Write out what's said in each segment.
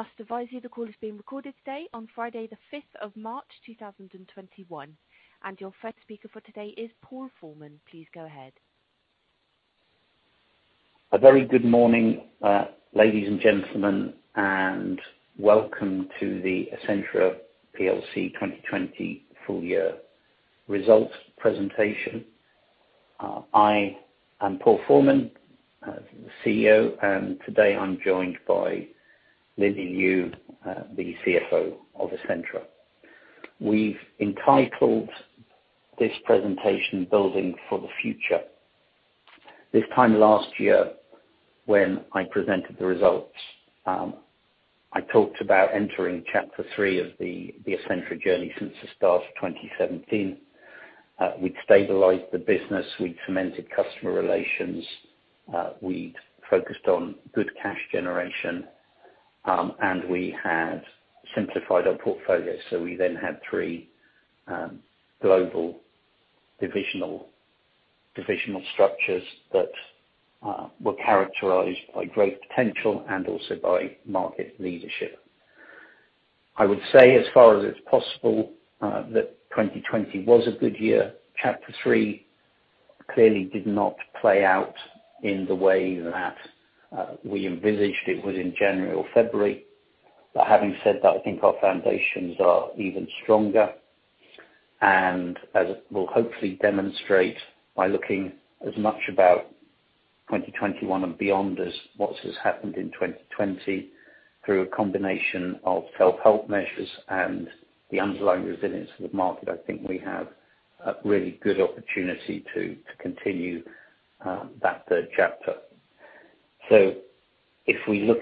must advise you the call is being recorded today on Friday the 5th of March, 2021. Your first speaker for today is Paul Forman. Please go ahead. A very good morning, ladies and gentlemen, and welcome to the Essentra PLC 2020 full year results presentation. I am Paul Forman, the CEO, and today I'm joined by Lily Liu, the CFO of Essentra. We've entitled this presentation Building for the Future. This time last year, when I presented the results, I talked about entering chapter three of the Essentra journey since the start of 2017. We'd stabilized the business, we'd cemented customer relations, we'd focused on good cash generation, and we had simplified our portfolio. We then had three global divisional structures that were characterized by growth potential and also by market leadership. I would say as far as it's possible, that 2020 was a good year. Chapter three clearly did not play out in the way that we envisioned it would in January or February. Having said that, I think our foundations are even stronger. As we'll hopefully demonstrate by looking as much about 2021 and beyond as what has happened in 2020 through a combination of self-help measures and the underlying resilience of the market, I think we have a really good opportunity to continue that third chapter. If we look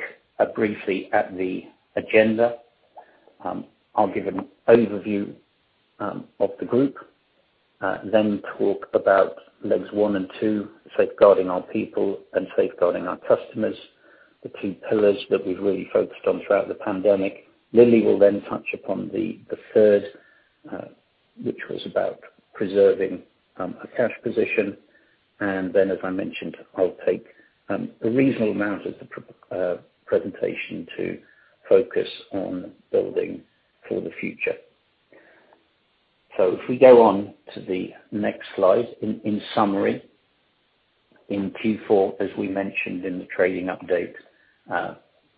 briefly at the agenda, I'll give an overview of the group, then talk about legs one and two, safeguarding our people and safeguarding our customers, the two pillars that we've really focused on throughout the pandemic. Lily will then touch upon the third, which was about preserving our cash position, and then, as I mentioned, I'll take a reasonable amount of the presentation to focus on building for the future. If we go on to the next slide, in summary, in Q4, as we mentioned in the trading update,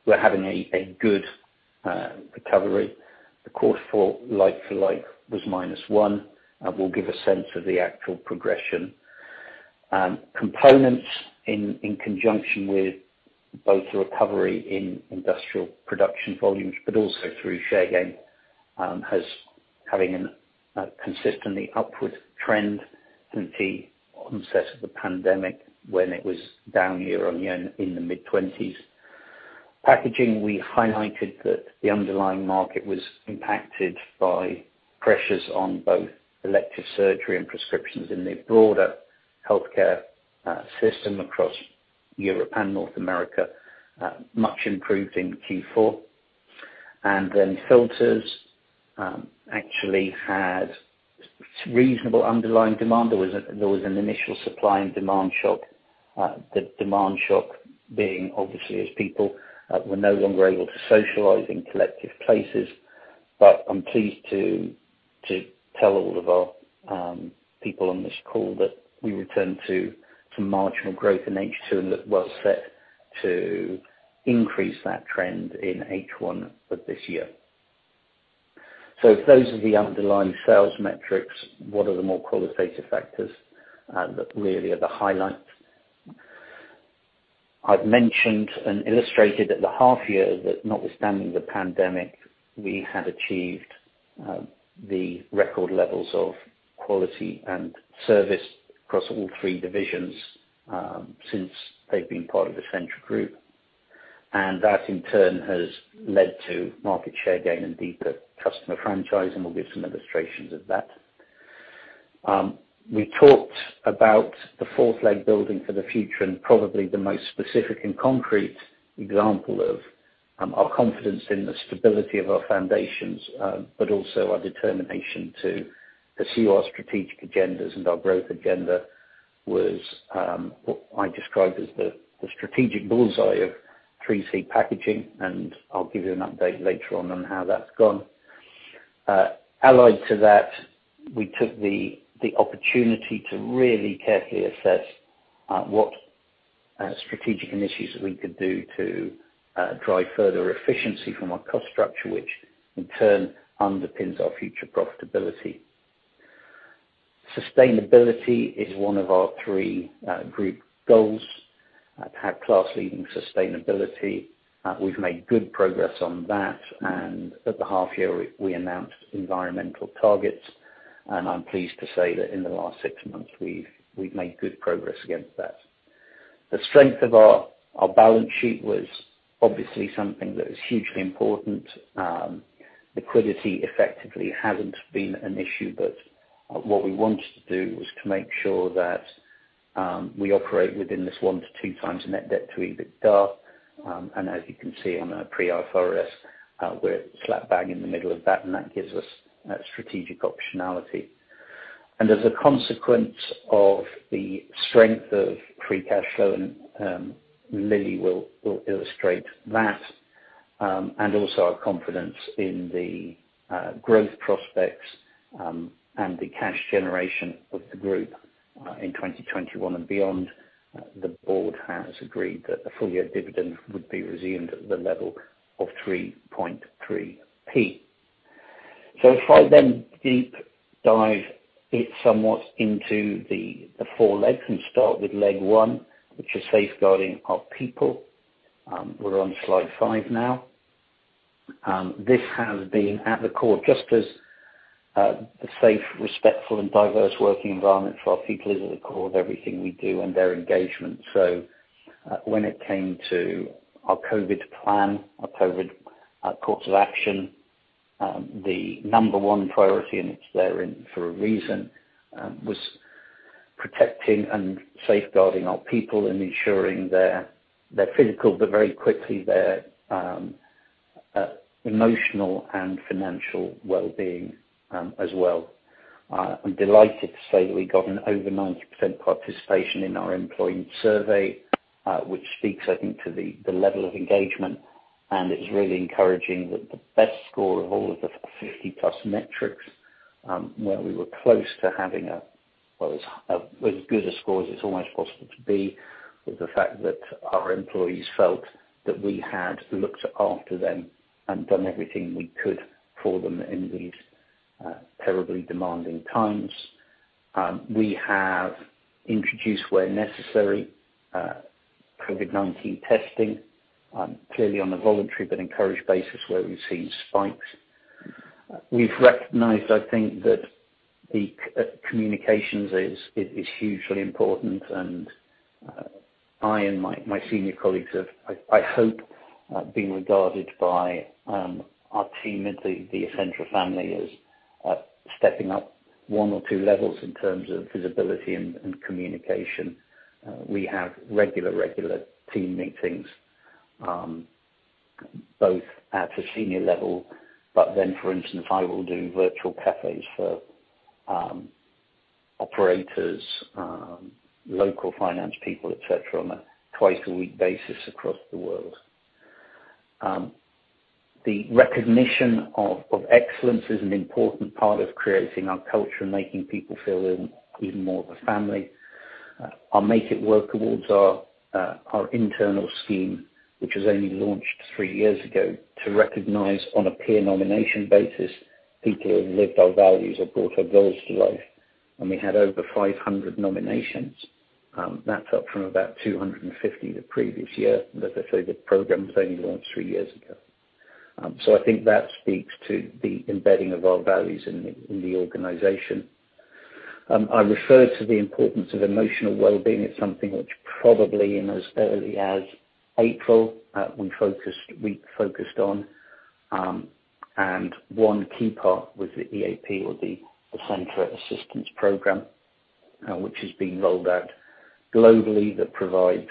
we're having a good recovery. The quarter for like for like was minus one. I will give a sense of the actual progression. Components in conjunction with both the recovery in industrial production volumes, but also through share gain, has having a consistently upward trend since the onset of the pandemic when it was down year-on-year in the mid-20s. Packaging, we highlighted that the underlying market was impacted by pressures on both elective surgery and prescriptions in the broader healthcare system across Europe and North America. Much improved in Q4. Filters actually had reasonable underlying demand. There was an initial supply and demand shock. The demand shock being obviously as people were no longer able to socialize in collective places. I'm pleased to tell all of our people on this call that we returned to some marginal growth in H2 and look well set to increase that trend in H1 of this year. If those are the underlying sales metrics, what are the more qualitative factors that really are the highlights? I've mentioned and illustrated at the half year that notwithstanding the pandemic, we have achieved the record levels of quality and service across all three divisions since they've been part of Essentra group. That in turn has led to market share gain and deeper customer franchise, and we'll give some illustrations of that. We talked about the fourth leg building for the future, and probably the most specific and concrete example of our confidence in the stability of our foundations, but also our determination to pursue our strategic agendas and our growth agenda was what I described as the strategic bullseye of 3C! Packaging. I'll give you an update later on how that's gone. Allied to that, we took the opportunity to really carefully assess what strategic initiatives we could do to drive further efficiency from our cost structure, which in turn underpins our future profitability. Sustainability is one of our three goals, to have class leading sustainability. We've made good progress on that. At the half year, we announced environmental targets. I'm pleased to say that in the last six months we've made good progress against that. The strength of our balance sheet was obviously something that was hugely important. Liquidity effectively hasn't been an issue, but what we wanted to do was to make sure that we operate within this 1x-2x net debt to EBITDA. As you can see on our pre-IFRS, we're slap bang in the middle of that, and that gives us strategic optionality. As a consequence of the strength of free cash flow, and Lily will illustrate that, and also our confidence in the growth prospects and the cash generation of the group in 2021 and beyond, the board has agreed that the full year dividend would be resumed at the level of 3.3p. If I then deep dive it somewhat into the four legs and start with leg one, which is safeguarding our people. We're on slide five now. This has been at the core, just as a safe, respectful, and diverse working environment for our people is at the core of everything we do and their engagement. When it came to our COVID plan, our COVID course of action, the number one priority, and it's there for a reason, was protecting and safeguarding our people and ensuring their physical, but very quickly, their emotional and financial wellbeing as well. I'm delighted to say that we got an over 90% participation in our employee survey, which speaks, I think, to the level of engagement, and it was really encouraging that the best score of all of the 50 plus metrics, where we were close to having as good a score as it's almost possible to be, was the fact that our employees felt that we had looked after them and done everything we could for them in these terribly demanding times. We have introduced, where necessary, COVID-19 testing, clearly on a voluntary but encouraged basis, where we've seen spikes. We've recognized, I think, that the communications is hugely important, and I and my senior colleagues have, I hope, been regarded by our team at the Essentra family as stepping up one or two levels in terms of visibility and communication. We have regular team meetings, both at the senior level, but then, for instance, I will do virtual cafes for operators, local finance people, et cetera, on a twice a week basis across the world. The recognition of excellence is an important part of creating our culture and making people feel even more of a family. Our Make It Work awards are our internal scheme, which was only launched three years ago, to recognize on a peer nomination basis, people who have lived our values or brought our values to life. We had over 500 nominations. That's up from about 250 the previous year. As I say, the program was only launched three years ago. I think that speaks to the embedding of our values in the organization. I referred to the importance of emotional wellbeing. It's something which probably in as early as April, we focused on, and one key part was the EAP or the Essentra Assistance Program, which is being rolled out globally, that provides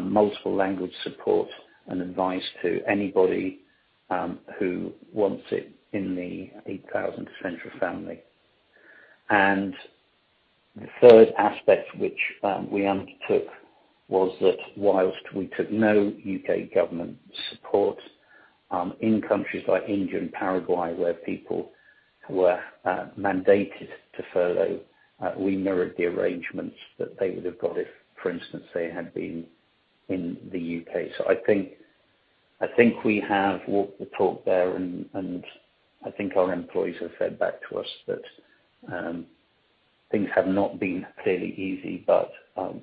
multiple language support and advice to anybody who wants it in the 8,000 Essentra family. the third aspect which we undertook was that whilst we took no U.K. government support, in countries like India and Paraguay where people were mandated to furlough, we mirrored the arrangements that they would have got if, for instance, they had been in the U.K. I think we have walked the talk there and I think our employees have fed back to us that things have not been clearly easy, but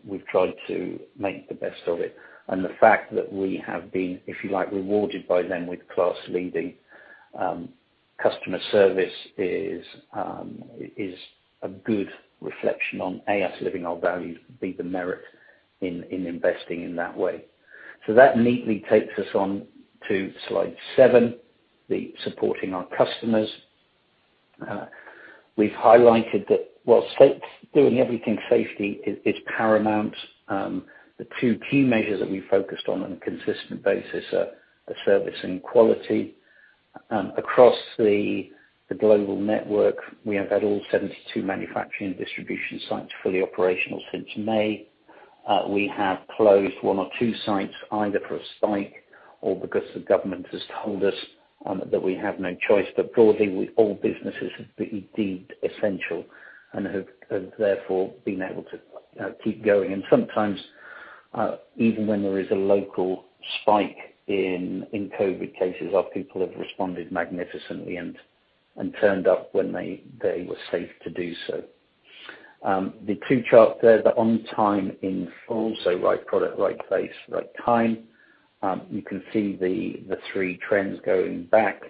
we've tried to make the best of it. The fact that we have been, if you like, rewarded by them with class leading customer service is a good reflection on, A, us living our values, B, the merit in investing in that way. That neatly takes us on to slide seven, the supporting our customers. We've highlighted that while doing everything safely is paramount, the two key measures that we focused on a consistent basis are service and quality. Across the global network, we have had all 72 manufacturing and distribution sites fully operational since May. We have closed one or two sites, either for a spike or because the government has told us that we have no choice. Broadly, all businesses have been deemed essential and have therefore been able to keep going. Sometimes, even when there is a local spike in COVID cases, our people have responded magnificently and turned up when they were safe to do so. The two charts there, the on time in full, so right product, right place, right time. You can see the three trends going back.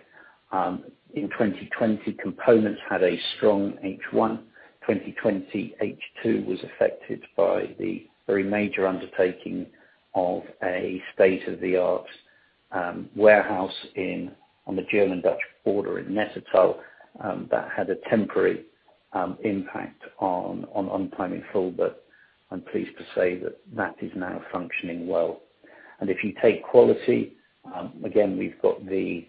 In 2020, components had a strong H1. 2020 H2 was affected by the very major undertaking of a state-of-the-art warehouse on the German-Dutch border in Nettetal, that had a temporary impact on time in full, but I am pleased to say that that is now functioning well. If you take quality, again, we've got the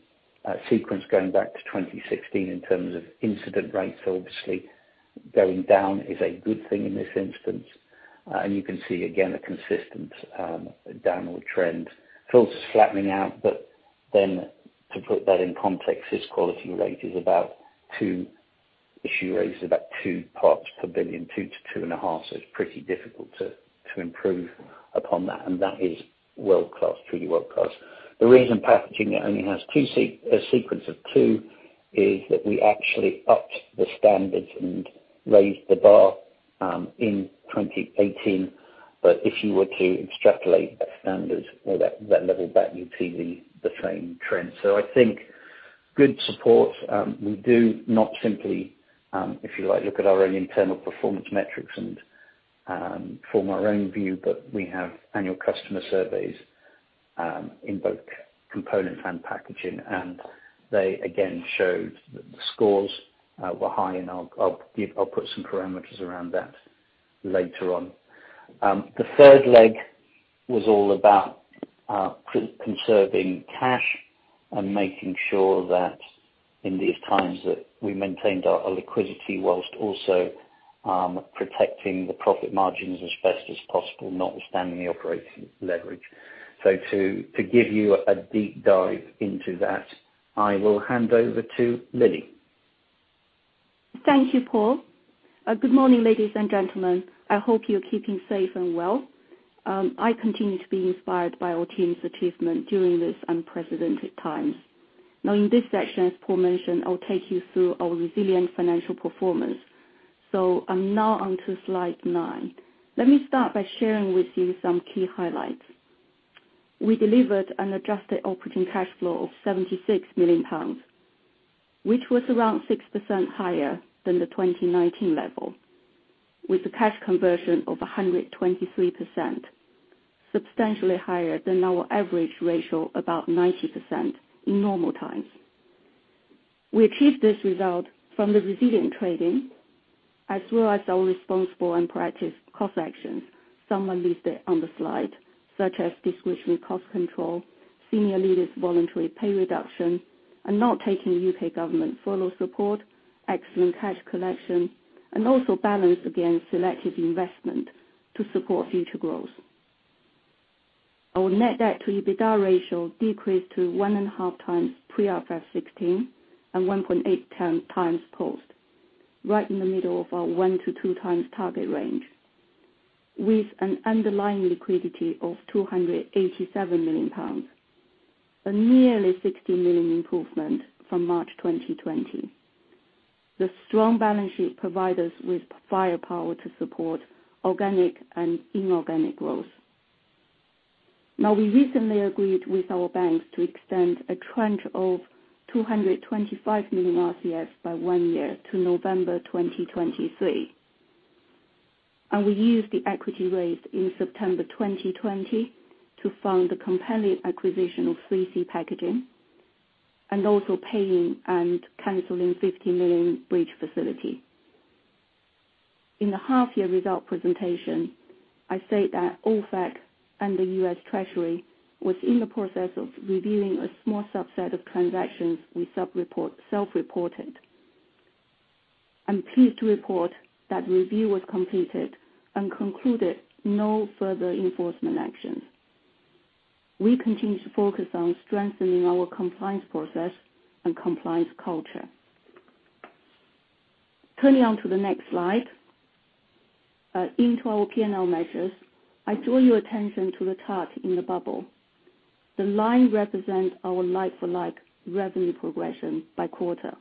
sequence going back to 2016 in terms of incident rates. Obviously, going down is a good thing in this instance. You can see again a consistent downward trend. Feels it's flattening out. To put that in context, this quality rate is about two issue rates about two parts per billion, two to 2.5, so it's pretty difficult to improve upon that. That is world-class, truly world-class. The reason Packaging only has a sequence of two is that we actually upped the standards and raised the bar in 2018. If you were to extrapolate that standard or that level back, you'd see the same trend. I think good support. We do not simply, if you like, look at our own internal performance metrics and form our own view, but we have annual customer surveys in both Components and Packaging, and they again showed that the scores were high, and I'll put some parameters around that later on. The third leg was all about conserving cash and making sure that in these times, that we maintained our liquidity while also protecting the profit margins as best as possible, notwithstanding the operating leverage. To give you a deep dive into that, I will hand over to Lily. Thank you, Paul. Good morning, ladies and gentlemen. I hope you're keeping safe and well. I continue to be inspired by our team's achievement during this unprecedented time. Now, in this section, as Paul mentioned, I'll take you through our resilient financial performance. I'm now onto slide nine. Let me start by sharing with you some key highlights. We delivered an adjusted operating cash flow of 76 million pounds, which was around 6% higher than the 2019 level, with a cash conversion of 123%, substantially higher than our average ratio about 90% in normal times. We achieved this result from the resilient trading, as well as our responsible and proactive cost actions. Some are listed on the slide, such as discretionary cost control, senior leaders voluntary pay reduction, and not taking U.K. government furlough support, excellent cash collection, and also balanced against selective investment to support future growth. Our net debt to EBITDA ratio decreased to 1.5x Pre-IFRS 16x and 1.8x post, right in the middle of our one to two times target range. With an underlying liquidity of 287 million pounds. A nearly 60 million improvement from March 2020. The strong balance sheet provide us with firepower to support organic and inorganic growth. We recently agreed with our banks to extend a tranche of 225 million RCFs by one year to November 2023. We used the equity raised in September 2020 to fund the compelling acquisition of 3C! Packaging, and also paying and canceling 50 million bridge facility. In the half year result presentation, I state that OFAC and the U.S. Treasury was in the process of reviewing a small subset of transactions we self-reported. I'm pleased to report that review was completed and concluded no further enforcement actions. We continue to focus on strengthening our compliance process and compliance culture. Turning onto the next slide, into our P&L measures. I draw your attention to the chart in the bubble. The line represents our like-for-like revenue progression by quarter.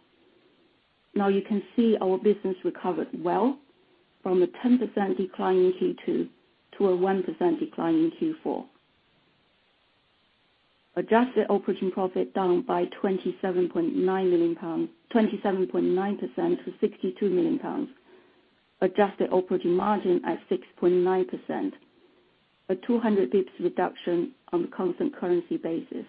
You can see our business recovered well from a 10% decline in Q2 to a 1% decline in Q4. Adjusted operating profit down by 27.9 million pounds, 27.9% to 62 million pounds. Adjusted operating margin at 6.9%, a 200 basis points reduction on the constant currency basis.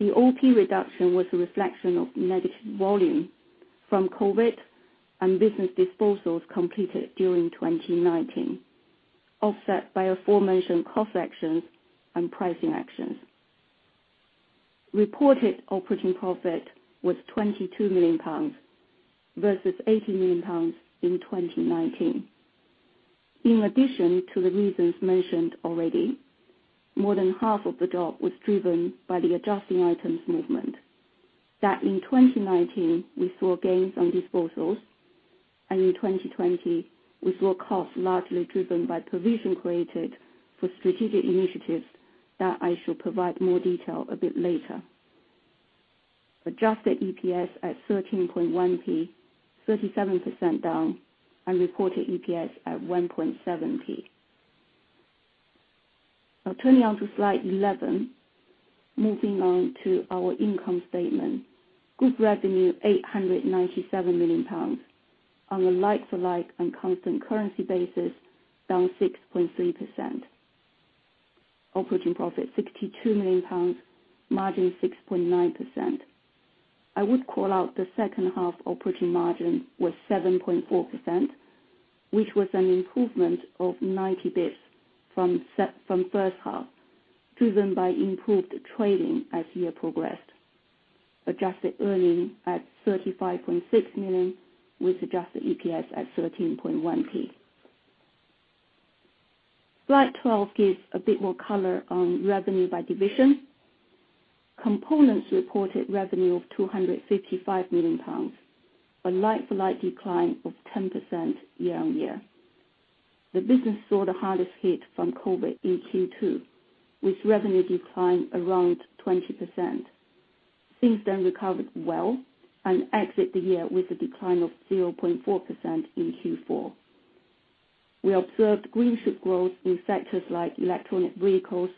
The OP reduction was a reflection of negative volume from COVID-19 and business disposals completed during 2019, offset by aforementioned cost actions and pricing actions. Reported operating profit was 22 million pounds versus 18 million pounds in 2019. In addition to the reasons mentioned already, more than half of the drop was driven by the adjusting items movement, that in 2019 we saw gains on disposals and in 2020 we saw costs largely driven by provision created for strategic initiatives that I shall provide more detail a bit later. Adjusted EPS at 13.1p, 37% down, and reported EPS at 1.7p. Now turning onto slide 11. Moving on to our income statement. Group revenue 897 million pounds on a like-for-like and constant currency basis, down 6.3%. Operating profit GBP 62 million, margin 6.9%. I would call out the second half operating margin was 7.4%, which was an improvement of 90 days from first half, driven by improved trading as the year progressed. Adjusted earnings at 35.6 million, with adjusted EPS at 13.1p. Slide 12 gives a bit more color on revenue by division. Components reported revenue of 255 million pounds, a like-for-like decline of 10% year-on-year. The business saw the hardest hit from COVID in Q2, with revenue decline around 20%. Things then recovered well and exit the year with a decline of 0.4% in Q4. We observed green shoot growth in sectors like electronic vehicles,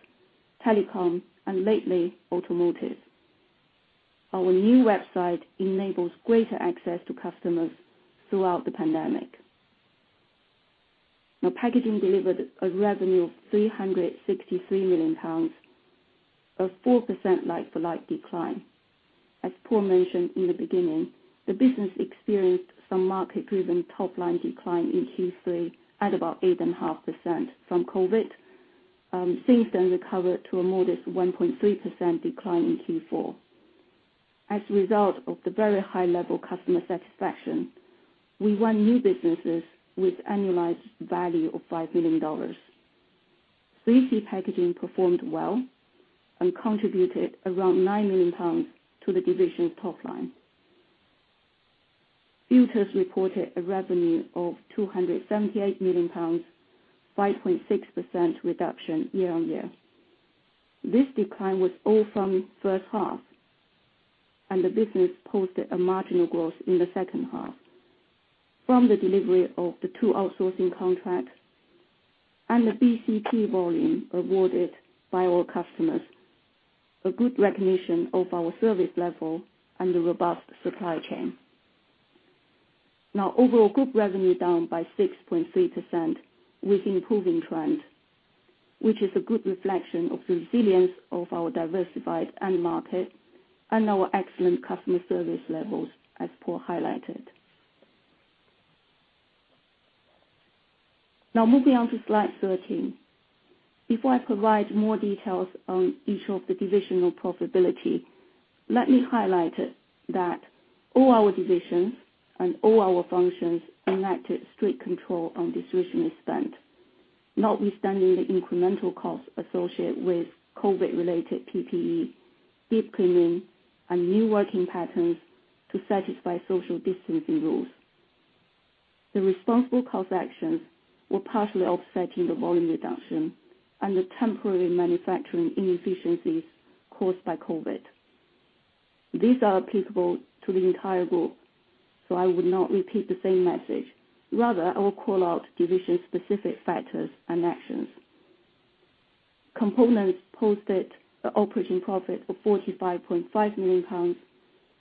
telecom, and lately, automotive. Our new website enables greater access to customers throughout the pandemic. packaging delivered a revenue of 363 million pounds. A 4% like-for-like decline. As Paul mentioned in the beginning, the business experienced some market-driven top-line decline in Q3 at about 8.5% from COVID. Things then recovered to a modest 1.3% decline in Q4. As a result of the very high level customer satisfaction, we won new businesses with annualized value of $5 million. 3C! packaging performed well and contributed around 9 million pounds to the division's top line. Filters reported a revenue of 278 million pounds, 5.6% reduction year-on-year. This decline was all from first half, and the business posted a marginal growth in the second half from the delivery of the two outsourcing contracts and the BCP volume awarded by our customers. A good recognition of our service level and the robust supply chain. Now overall group revenue down by 6.3% with improving trend, which is a good reflection of the resilience of our diversified end market and our excellent customer service levels, as Paul highlighted. Now moving on to slide 13. Before I provide more details on each of the divisional profitability, let me highlight that all our divisions and all our functions enacted strict control on discretionary spend, notwithstanding the incremental cost associated with COVID-related PPE, deep cleaning, and new working patterns to satisfy social distancing rules. The responsible cost actions were partially offsetting the volume reduction and the temporary manufacturing inefficiencies caused by COVID. These are applicable to the entire group, so I would not repeat the same message. Rather, I will call out division-specific factors and actions. Components posted a operating profit of 45.5 million pounds,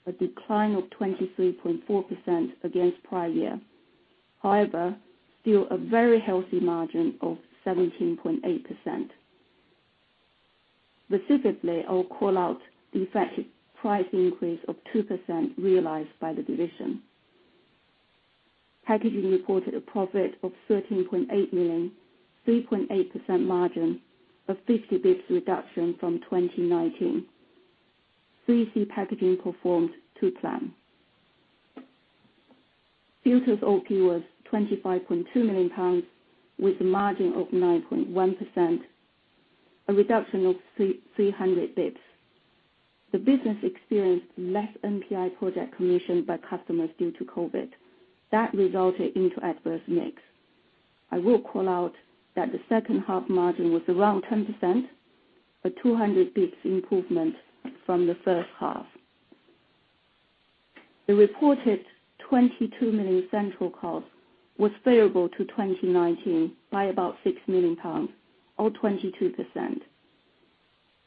a decline of 23.4% against prior year. However, still a very healthy margin of 17.8%. Specifically, I'll call out the effective price increase of 2% realized by the division. Packaging reported a profit of 13.8 million, 3.8% margin of 50 basis points reduction from 2019. 3C! packaging performed to plan. Filters OP was 25.2 million pounds, with a margin of 9.1%, a reduction of 300 basis points. The business experienced less NPI project commissioned by customers due to COVID. That resulted into adverse mix. I will call out that the second half margin was around 10%, a 200 basis points improvement from the first half. The reported 22 million central cost was favorable to 2019 by about 6 million pounds or 22%,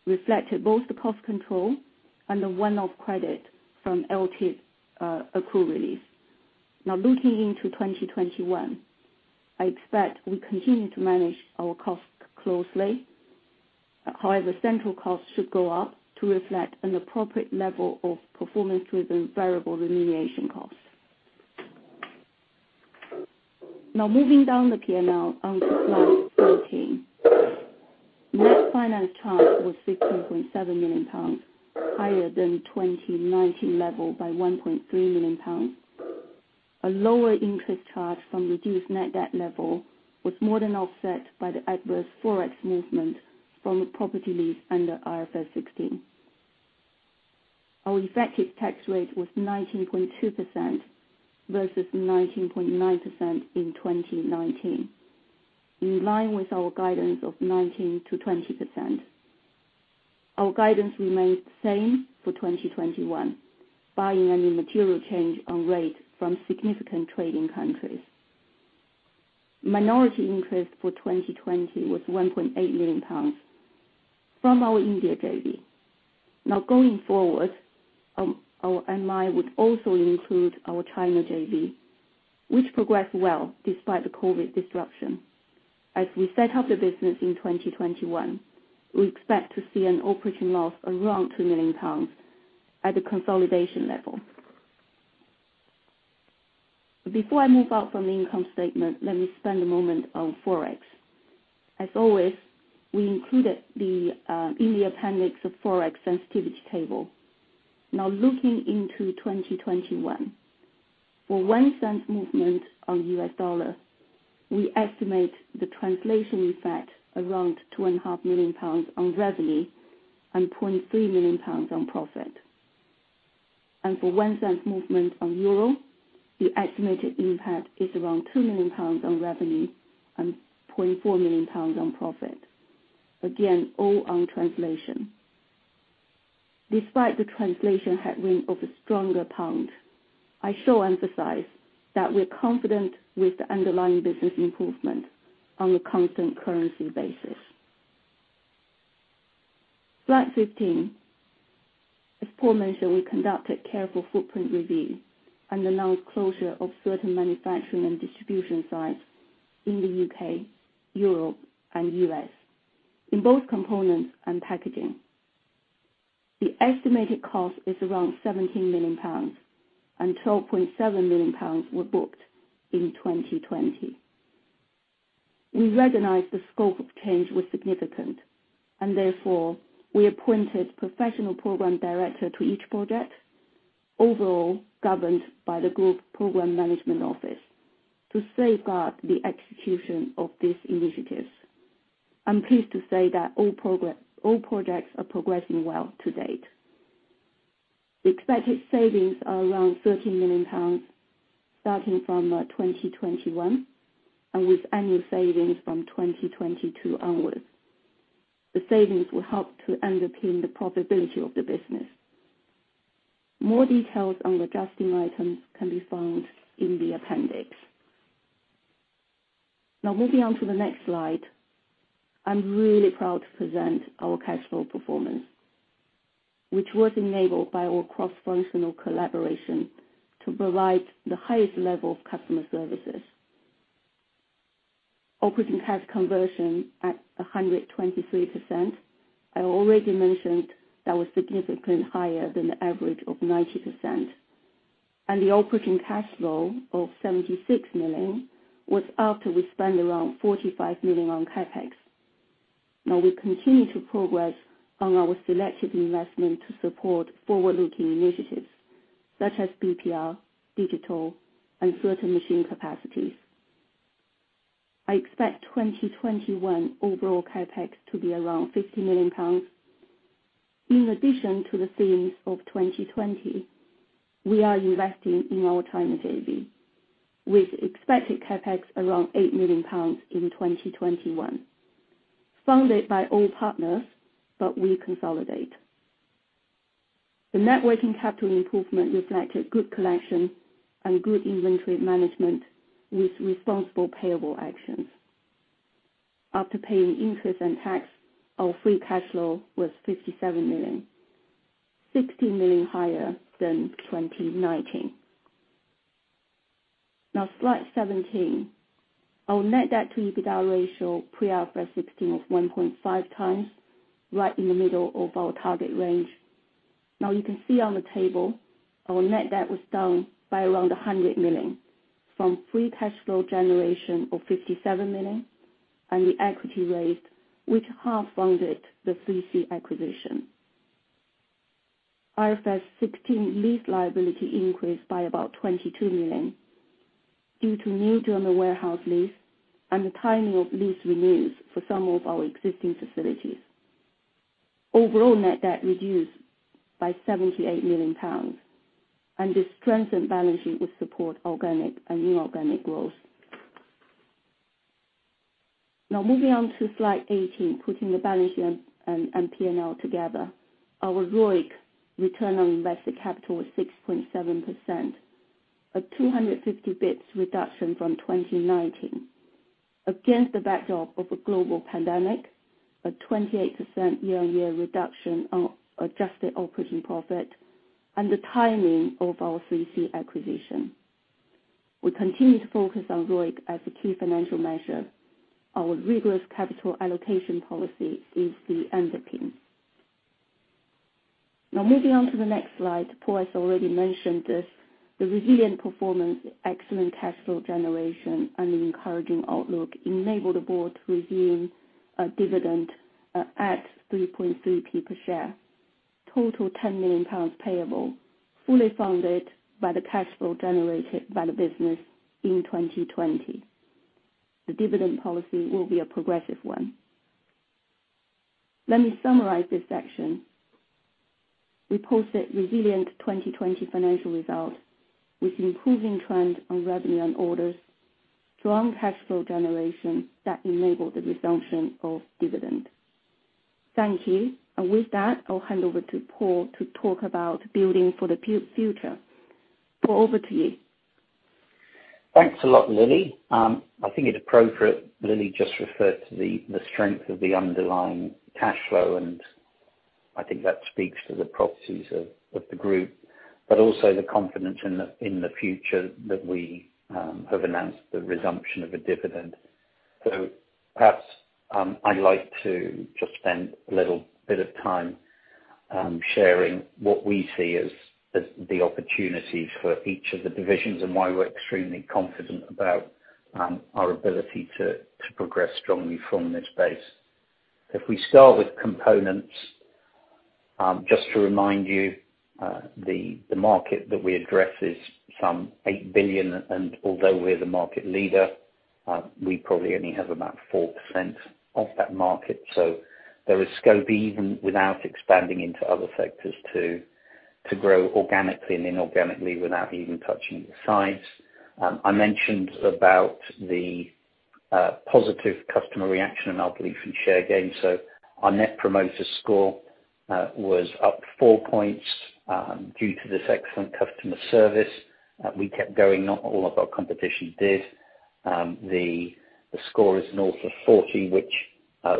reflected both the cost control and the one-off credit from LT accrual release. Looking into 2021, I expect we continue to manage our costs closely. However, central costs should go up to reflect an appropriate level of performance with the variable remediation cost. Moving down the P&L onto slide 14. Net finance charge was 15.7 million pounds, higher than 2019 level by 1.3 million pounds. A lower interest charge from reduced net debt level was more than offset by the adverse forex movement from the property lease under IFRS 16. Our effective tax rate was 19.2% versus 19.9% in 2019, in line with our guidance of 19%-20%. Our guidance remains the same for 2021, barring any material change on rate from significant trading countries. Minority interest for 2020 was 1.8 million pounds from our India JV. Now going forward, our MI would also include our China JV which progressed well despite the COVID disruption. As we set up the business in 2021, we expect to see an operating loss around 2 million pounds at the consolidation level. Before I move out from the income statement, let me spend a moment on Forex. As always, we included in the appendix the Forex sensitivity table. Now, looking into 2021. For one cent movement on US dollar, we estimate the translation effect around 2.5 million pounds on revenue and 3 million pounds on profit. For one cent movement on euro, the estimated impact is around 2 million pounds on revenue and 4 million pounds on profit. Again, all on translation. Despite the translation headwind of a stronger pound, I still emphasize that we're confident with the underlying business improvement on a constant currency basis. Slide 15. As Paul mentioned, we conducted a careful footprint review and announced closure of certain manufacturing and distribution sites in the U.K., Europe, and U.S. in both components and packaging. The estimated cost is around 17 million pounds and 12.7 million pounds were booked in 2020. We recognize the scope of change was significant and therefore we appointed professional program director to each project, overall governed by the group program management office, to safeguard the execution of these initiatives. I'm pleased to say that all projects are progressing well to date. The expected savings are around 13 million pounds, starting from 2021 and with annual savings from 2022 onwards. The savings will help to underpin the profitability of the business. More details on the adjusting items can be found in the appendix. Moving on to the next slide. I'm really proud to present our cash flow performance, which was enabled by our cross-functional collaboration to provide the highest level of customer services. Operating cash conversion at 123%. I already mentioned that was significantly higher than the average of 90%, and the operating cash flow of 76 million was after we spent around 45 million on CapEx. We continue to progress on our selective investment to support forward-looking initiatives such as BPR, digital, and certain machine capacities. I expect 2021 overall CapEx to be around 50 million pounds. In addition to the themes of 2020, we are investing in our China JV, with expected CapEx around 8 million pounds in 2021, funded by all partners, but we consolidate. The net working capital improvement reflected good collection and good inventory management with responsible payable actions. After paying interest and tax, our free cash flow was 57 million, 60 million higher than 2019. Slide 17. Our net debt to EBITDA ratio pre-IFRS 16 was 1.5 times, right in the middle of our target range. You can see on the table, our net debt was down by around 100 million from free cash flow generation of 57 million and the equity raised which half funded the 3C! acquisition. IFRS 16 lease liability increased by about 22 million due to new German warehouse lease and the timing of lease renewals for some of our existing facilities. Overall net debt reduced by 78 million pounds and this strengthened balance sheet will support organic and inorganic growth. Moving on to slide 18, putting the balance sheet and P&L together. Our ROIC, return on invested capital, was 6.7%, a 250 basis points reduction from 2019 against the backdrop of a global pandemic, a 28% year-on-year reduction of adjusted operating profit, and the timing of our 3C! acquisition. We continue to focus on ROIC as a key financial measure. Our rigorous capital allocation policy is the underpinning. Now, moving on to the next slide. Paul has already mentioned this. The resilient performance, excellent cash flow generation, and an encouraging outlook enabled the board to resume a dividend at 3.3p per share, total 10 million pounds payable, fully funded by the cash flow generated by the business in 2020. The dividend policy will be a progressive one. Let me summarize this section. We posted resilient 2020 financial results with improving trends on revenue and orders, strong cash flow generation that enabled the resumption of dividend. Thank you. With that, I'll hand over to Paul to talk about building for the future. Paul, over to you. Thanks a lot, Lily. I think it appropriate Lily just referred to the strength of the underlying cash flow and I think that speaks to the properties of the group, but also the confidence in the future that we have announced the resumption of a dividend. Perhaps, I'd like to just spend a little bit of time sharing what we see as the opportunities for each of the divisions and why we're extremely confident about our ability to progress strongly from this base. If we start with components, just to remind you, the market that we address is some eight billion, and although we're the market leader, we probably only have about 4% of that market. There is scope even without expanding into other sectors to grow organically and inorganically without even touching the sides. I mentioned about the positive customer reaction and our belief in share gain, so our net promoter score was up four points due to this excellent customer service. We kept going, not all of our competition did. The score is north of 40, which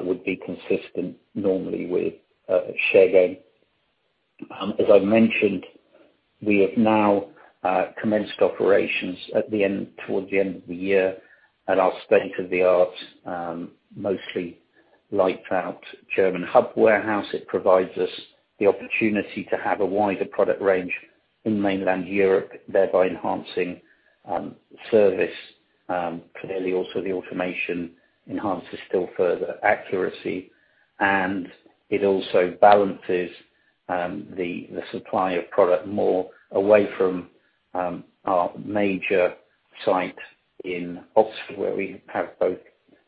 would be consistent normally with share gain. As I mentioned, we have now commenced operations towards the end of the year at our state-of-the-art, mostly leased out German hub warehouse. It provides us the opportunity to have a wider product range in mainland Europe, thereby enhancing service. Clearly, also, the automation enhances still further accuracy, and it also balances the supply of product more away from our major site in Oxford, where we have both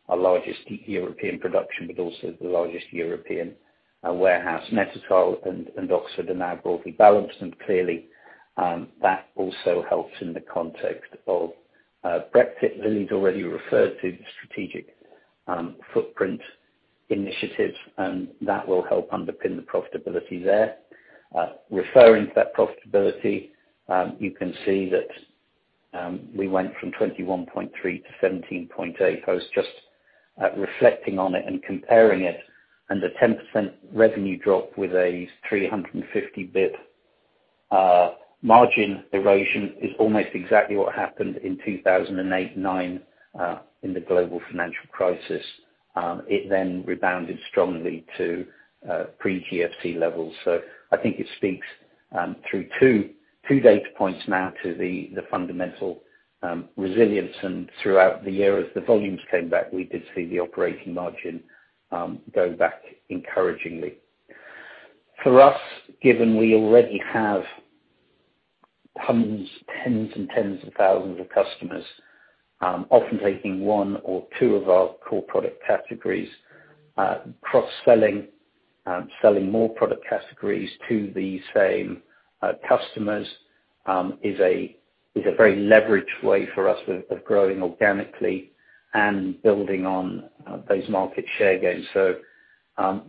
our largest European production but also the largest European warehouse. Nettetal and Oxford are now broadly balanced, and clearly, that also helps in the context of Brexit. Lily's already referred to the strategic footprint initiative, and that will help underpin the profitability there. Referring to that profitability, you can see that we went from 21.3 to 17.8. I was just reflecting on it and comparing it, and the 10% revenue drop with a 350 bps margin erosion is almost exactly what happened in 2008, 2009 in the global financial crisis. It then rebounded strongly to pre-GFC levels. I think it speaks through two data points now to the fundamental resilience. Throughout the year, as the volumes came back, we did see the operating margin go back encouragingly. For us, given we already have tons, tens and tens of thousands of customers often taking one or two of our core product categories, cross-selling, selling more product categories to the same customers is a very leveraged way for us of growing organically and building on those market share gains.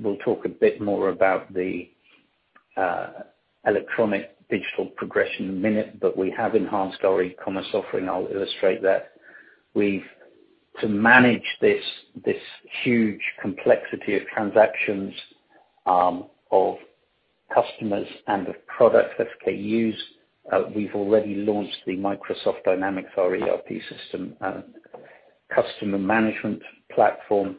We'll talk a bit more about the electronic digital progression in a minute. We have enhanced our e-commerce offering. I'll illustrate that. To manage this huge complexity of transactions of customers and of product SKUs, we've already launched the Microsoft Dynamics for our ERP system customer management platform.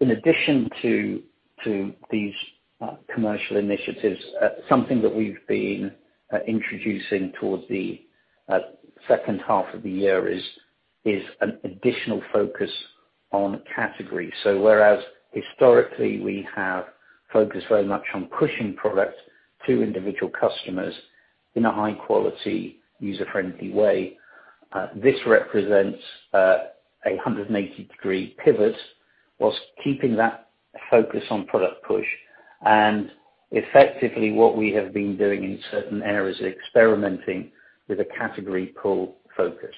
In addition to these commercial initiatives, something that we've been introducing towards the second half of the year is an additional focus on category. Whereas historically we have focused very much on pushing product to individual customers in a high-quality, user-friendly way, this represents a 180-degree pivot whilst keeping that focus on product push, and effectively what we have been doing in certain areas is experimenting with a category pull focus.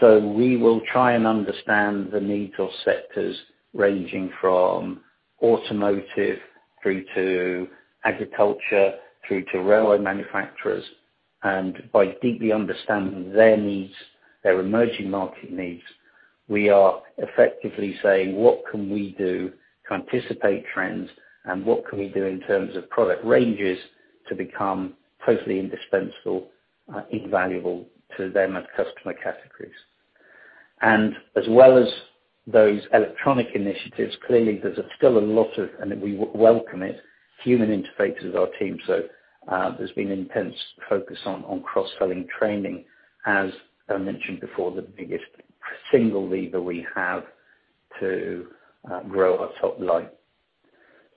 We will try and understand the needs of sectors ranging from automotive through to agriculture through to railway manufacturers. By deeply understanding their needs, their emerging market needs, we are effectively saying, "What can we do to anticipate trends, and what can we do in terms of product ranges to become totally indispensable, invaluable to them as customer categories?" As well as those electronic initiatives, clearly there's still a lot of, and we welcome it, human interfaces, our team. There's been intense focus on cross-selling training, as I mentioned before, the biggest single lever we have to grow our top line.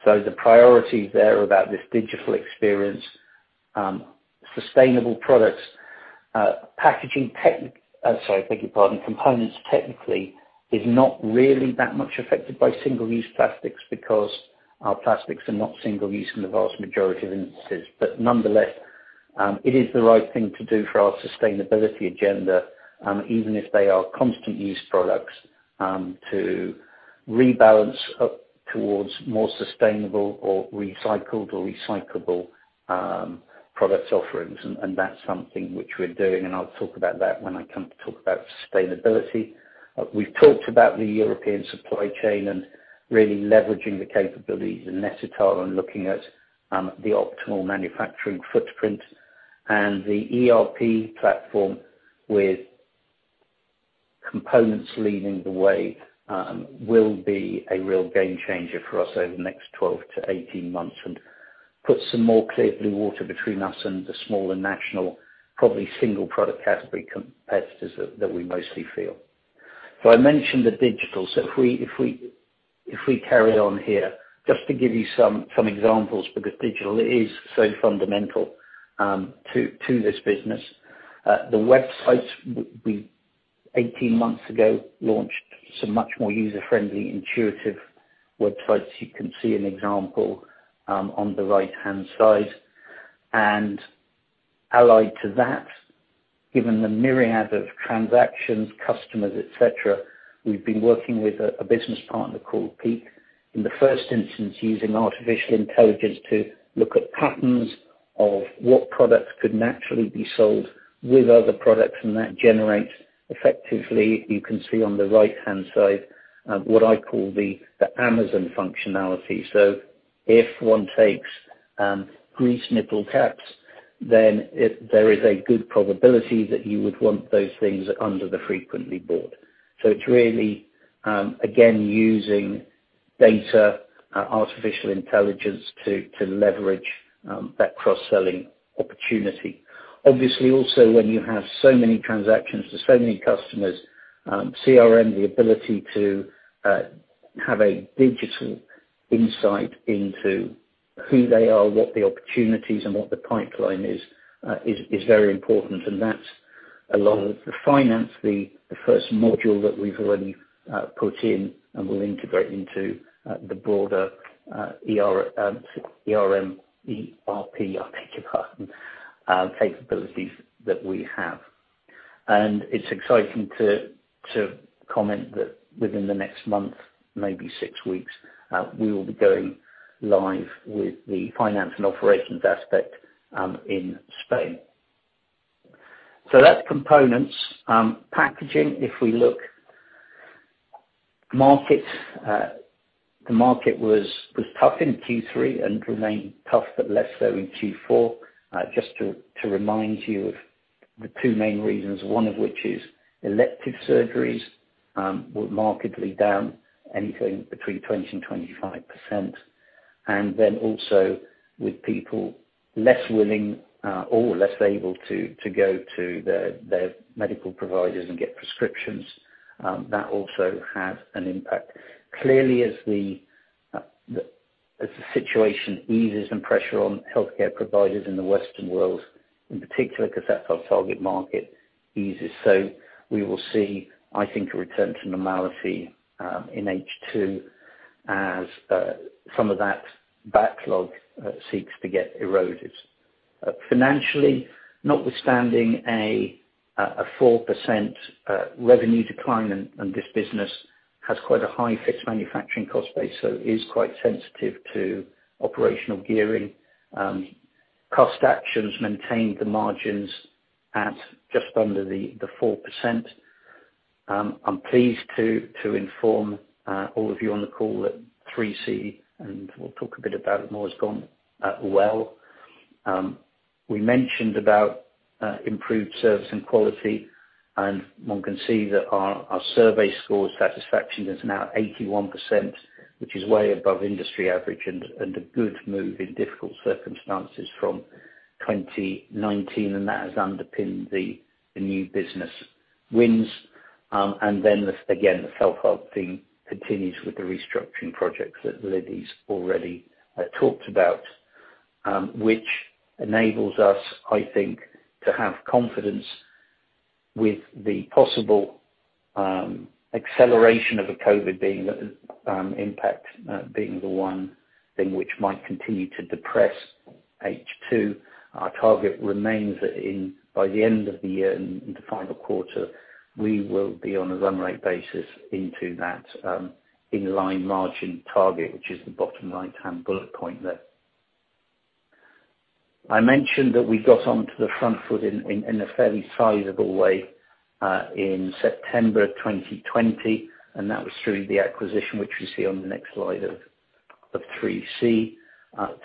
The priorities there about this digital experience, sustainable products, packaging tech. Sorry, beg your pardon. Components technically is not really that much affected by single-use plastics because our plastics are not single-use in the vast majority of instances. Nonetheless, it is the right thing to do for our sustainability agenda, even if they are constant-use products, to rebalance towards more sustainable or recycled or recyclable products offerings. That's something which we're doing, and I'll talk about that when I come to talk about sustainability. We've talked about the European supply chain and really leveraging the capabilities in Nettetal and looking at the optimal manufacturing footprint. The ERP platform with components leading the way will be a real game changer for us over the next 12 to 18 months and put some more clear blue water between us and the smaller national, probably single product category competitors that we mostly feel. I mentioned the digital. If we carry on here, just to give you some examples, because digital is so fundamental to this business. The websites, 18 months ago, launched some much more user-friendly, intuitive websites. You can see an example on the right-hand side. Allied to that, given the myriad of transactions, customers, et cetera, we've been working with a business partner called Peak. In the first instance, using artificial intelligence to look at patterns of what products could naturally be sold with other products, and that generates effectively, you can see on the right-hand side, what I call the Amazon functionality. If one takes grease nipple caps, then there is a good probability that you would want those things under the frequently bought. It's really again, using data, artificial intelligence, to leverage that cross-selling opportunity. Obviously, also, when you have so many transactions to so many customers, CRM, the ability to have a digital insight into who they are, what the opportunities, and what the pipeline is very important. That's a lot of the finance, the first module that we've already put in and will integrate into the broader ERP capabilities that we have. It's exciting to comment that within the next month, maybe six weeks, we will be going live with the finance and operations aspect in Spain. That's components. Packaging, if we look, the market was tough in Q3 and remained tough, but less so in Q4. Just to remind you of the two main reasons, one of which is elective surgeries were markedly down anything between 20% and 25%. Also with people less willing or less able to go to their medical providers and get prescriptions, that also had an impact. Clearly, as the situation eases and pressure on healthcare providers in the Western world, in particular because that's our target market, eases. We will see, I think, a return to normality in H2 as some of that backlog seeks to get eroded. Financially, notwithstanding a 4% revenue decline, and this business has quite a high fixed manufacturing cost base, so it is quite sensitive to operational gearing. Cost actions maintained the margins at just under the 4%. I'm pleased to inform all of you on the call that 3C!, and we'll talk a bit about it more, has gone well. We mentioned about improved service and quality, and one can see that our survey score satisfaction is now 81%, which is way above industry average and a good move in difficult circumstances from 2019, and that has underpinned the new business wins. again, the self-help theme continues with the restructuring projects that Lily's already talked about which enables us, I think, to have confidence with the possible acceleration of a COVID impact being the one thing which might continue to depress H2. Our target remains that by the end of the year, in the final quarter, we will be on a run rate basis into that in-line margin target, which is the bottom right-hand bullet point there. I mentioned that we got onto the front foot in a fairly sizable way in September of 2020, and that was through the acquisition, which we see on the next slide of 3C!.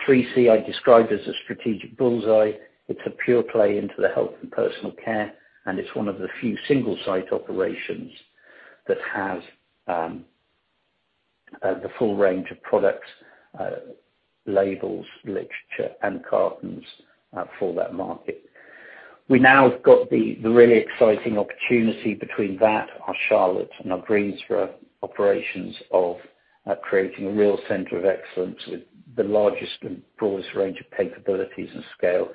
3C! I described as a strategic bullseye. It's a pure play into the health and personal care, and it's one of the few single-site operations that have the full range of products, labels, literature, and cartons for that market. We now have got the really exciting opportunity between that, our Charlotte and our Greensboro operations of creating a real center of excellence with the largest and broadest range of capabilities and scale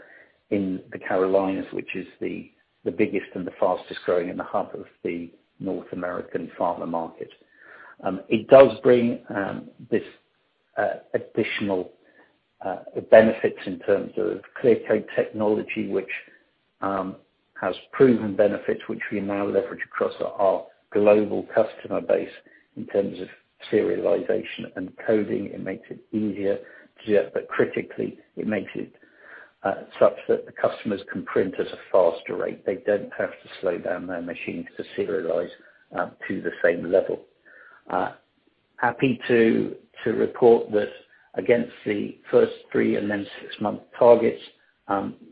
in the Carolinas, which is the biggest and the fastest-growing and the hub of the North American pharma market. It does bring this additional benefits in terms of ClearCode technology, which has proven benefits, which we now leverage across our global customer base in terms of serialization and coding. It makes it easier, but critically, it makes it such that the customers can print at a faster rate. They don't have to slow down their machines to serialize to the same level. Happy to report that against the first three and then six-month targets,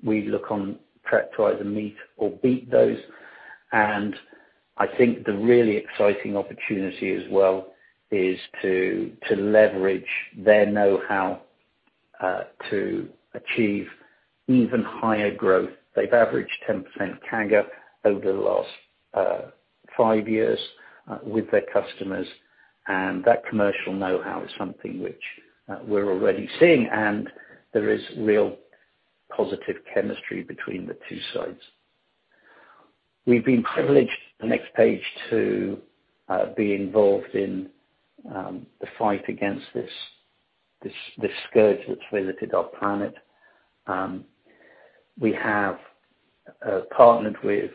we look on track to either meet or beat those. I think the really exciting opportunity as well is to leverage their knowhow to achieve even higher growth. They've averaged 10% CAGR over the last five years with their customers, and that commercial knowhow is something which we're already seeing, and there is real positive chemistry between the two sides. We've been privileged at Next Page to be involved in the fight against this scourge that's visited our planet. We have partnered with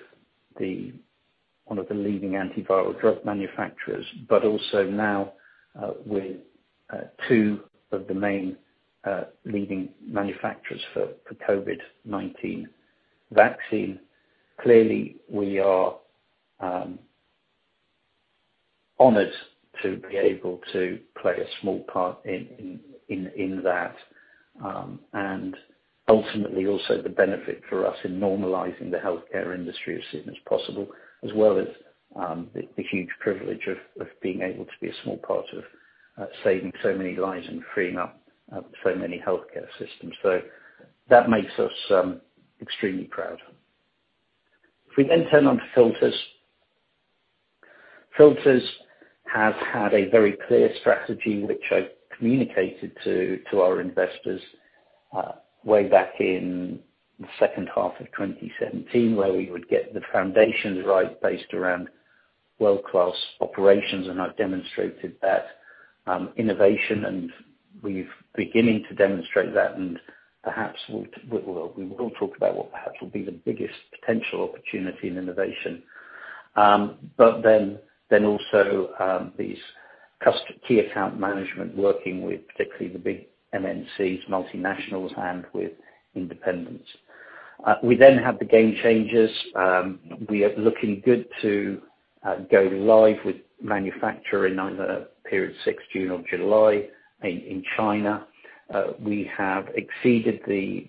one of the leading antiviral drug manufacturers, but also now with two of the main leading manufacturers for COVID-19 vaccine. Clearly, we are honored to be able to play a small part in that. Ultimately also the benefit for us in normalizing the healthcare industry as soon as possible, as well as the huge privilege of being able to be a small part of saving so many lives and freeing up so many healthcare systems. That makes us extremely proud. If we then turn on to filters. Filters has had a very clear strategy, which I communicated to our investors way back in the second half of 2017, where we would get the foundations right based around world-class operations, and I've demonstrated that innovation and we've beginning to demonstrate that and perhaps we will talk about what perhaps will be the biggest potential opportunity in innovation. Also these key account management working with particularly the big MNCs, multinationals and with independents. We then have the game changers. We are looking good to go live with manufacturing either period 6th June or July in China. We have exceeded the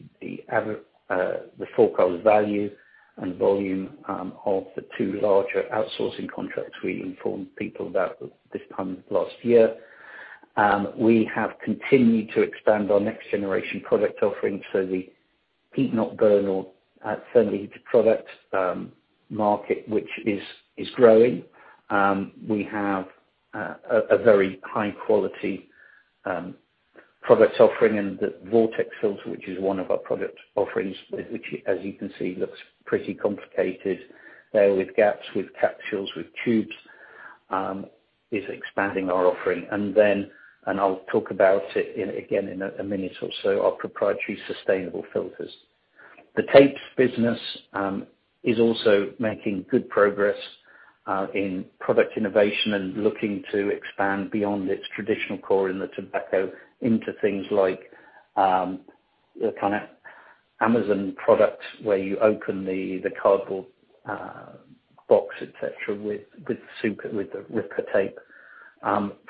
forecast value and volume of the two larger outsourcing contracts we informed people about this time last year. We have continued to expand our next generation product offering, so the heat not burn or certainly the product market, which is growing. We have a very high quality product offering and the vortex filter, which is one of our product offerings, which as you can see, looks pretty complicated, with gaps, with capsules, with tubes, is expanding our offering. I'll talk about it again in a minute or so, our proprietary sustainable filters. The tape business is also making good progress, in product innovation and looking to expand beyond its traditional core in the tobacco into things like the Amazon product where you open the cardboard box, et cetera, with the ripper tape.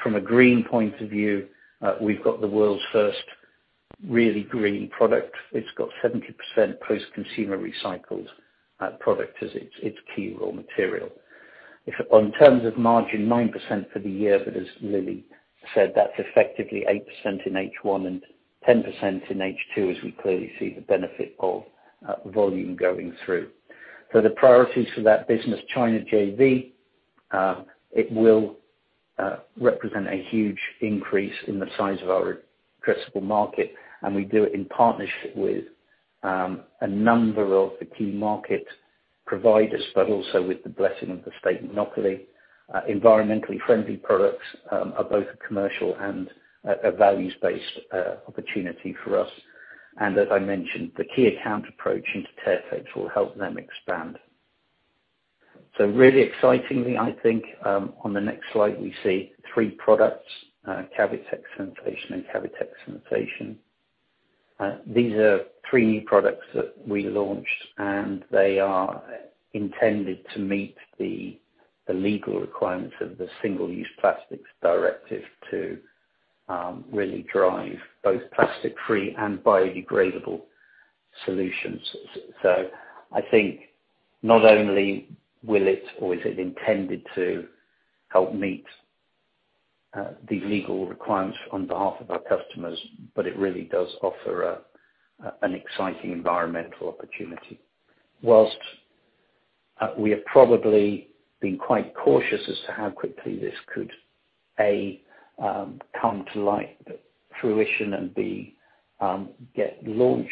From a green point of view, we've got the world's first really green product. It's got 70% post-consumer recycled product as its key raw material. In terms of margin, 9% for the year, but as Lily said, that's effectively 8% in H1 and 10% in H2 as we clearly see the benefit of volume going through. The priorities for that business, China JV, it will represent a huge increase in the size of our addressable market, and we do it in partnership with a number of the key market providers, but also with the blessing of the state monopoly. Environmentally friendly products are both a commercial and a values-based opportunity for us. As I mentioned, the key account approach into Tear Tapes will help them expand. Really excitingly, I think on the next slide we see three products, Cavitex and Cavitex Filtration. These are three products that we launched and they are intended to meet the legal requirements of the Single-Use Plastics Directive to really drive both plastic free and biodegradable solutions. I think not only will it or is it intended to help meet the legal requirements on behalf of our customers, but it really does offer an exciting environmental opportunity. Whilst we have probably been quite cautious as to how quickly this could, A, come to light fruition and B, get launched.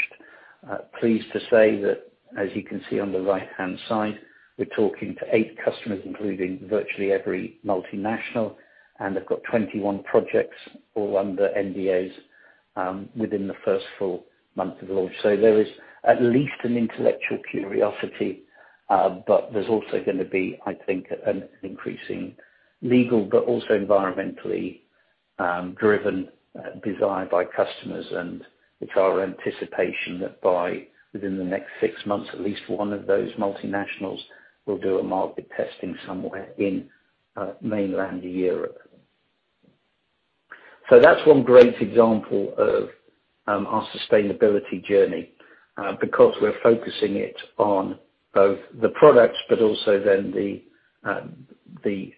Pleased to say that, as you can see on the right-hand side, we're talking to eight customers, including virtually every multinational, and they've got 21 projects all under NDAs within the first full month of launch. There is at least an intellectual curiosity, but there's also going to be, I think, an increasing legal but also environmentally driven, desired by customers, and it's our anticipation that within the next six months, at least one of those multinationals will do a market testing somewhere in mainland Europe. That's one great example of our sustainability journey, because we're focusing it on both the products but also then the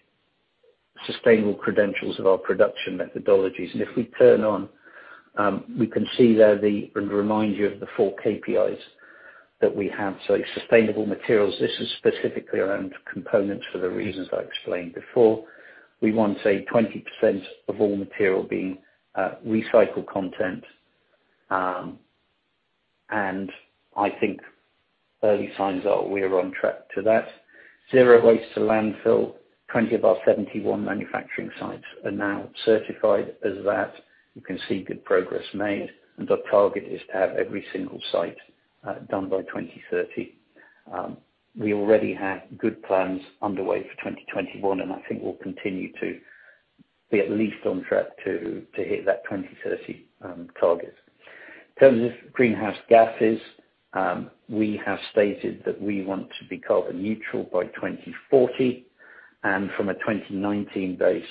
sustainable credentials of our production methodologies. If we turn on, we can see there and remind you of the four KPIs that we have. Sustainable materials, this is specifically around components for the reasons I explained before. We want to see 20% of all material being recycled content, and I think early signs are we are on track to that. Zero waste to landfill. 20 of our 71 manufacturing sites are now certified as that. You can see good progress made, and our target is to have every single site done by 2030. We already have good plans underway for 2021, and I think we'll continue to be at least on track to hit that 2030 target. In terms of greenhouse gases, we have stated that we want to be carbon neutral by 2040, and from a 2019 base,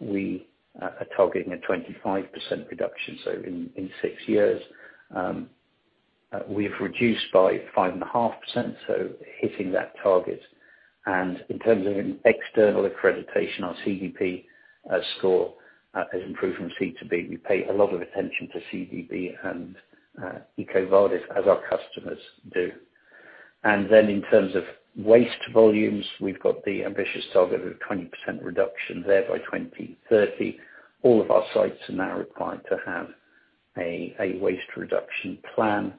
we are targeting a 25% reduction. In six years, we've reduced by 5.5%, so hitting that target. In terms of waste volumes, we've got the ambitious target of 20% reduction there by 2030. All of our sites are now required to have a waste reduction plan,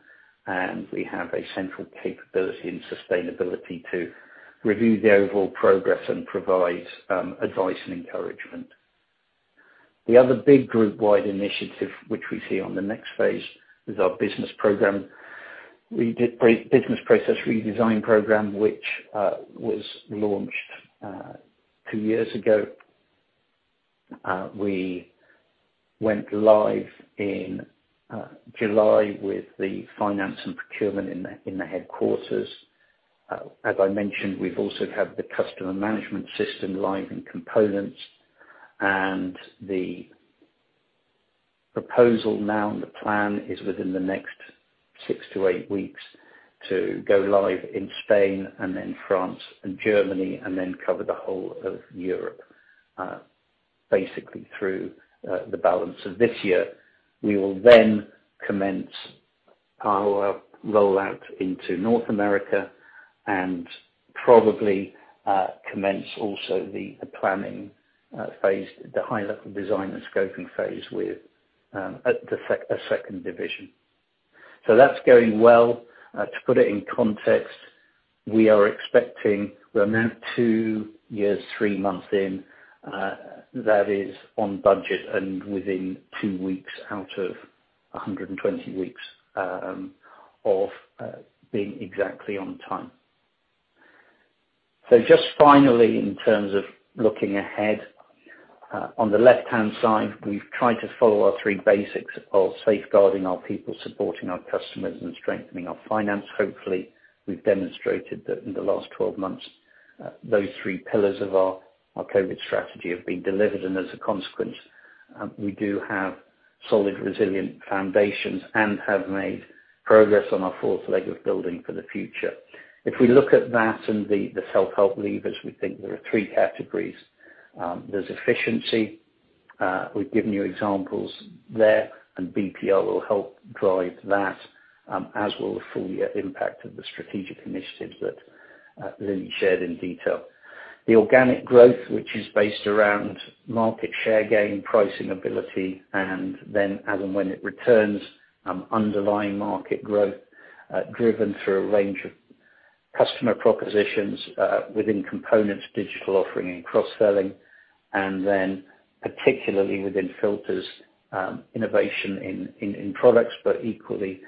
and we have a central capability and sustainability to review the overall progress and provide advice and encouragement. The other big group wide initiative, which we see on the next phase, is our business process redesign program, which was launched two years ago. We went live in July with the finance and procurement in the headquarters. As I mentioned, we also have the customer management system live in components. The proposal now and the plan is within the next six to eight weeks to go live in Spain and then France and Germany, and then cover the whole of Europe, basically through the balance of this year. We will then commence our rollout into North America and probably commence also the planning phase, the high level design and scoping phase with a second division. That's going well. To put it in context, we are now two years, three months in. That is on budget and within two weeks out of 120 weeks of being exactly on time. Just finally, in terms of looking ahead. On the left-hand side, we've tried to follow our three basics of safeguarding our people, supporting our customers, and strengthening our finance. Hopefully, we've demonstrated that in the last 12 months, those three pillars of our COVID strategy have been delivered, and as a consequence, we do have solid, resilient foundations and have made progress on our fourth leg of building for the future. If we look at that and the self-help levers, we think there are three categories. There's efficiency. We've given you examples there, and BPR will help drive that, as will the full year impact of the strategic initiatives that Lily shared in detail. The organic growth, which is based around market share gain, pricing ability, and then as and when it returns, underlying market growth, driven through a range of customer propositions within components, digital offering, and cross-selling. particularly within filters, innovation in products, but equally,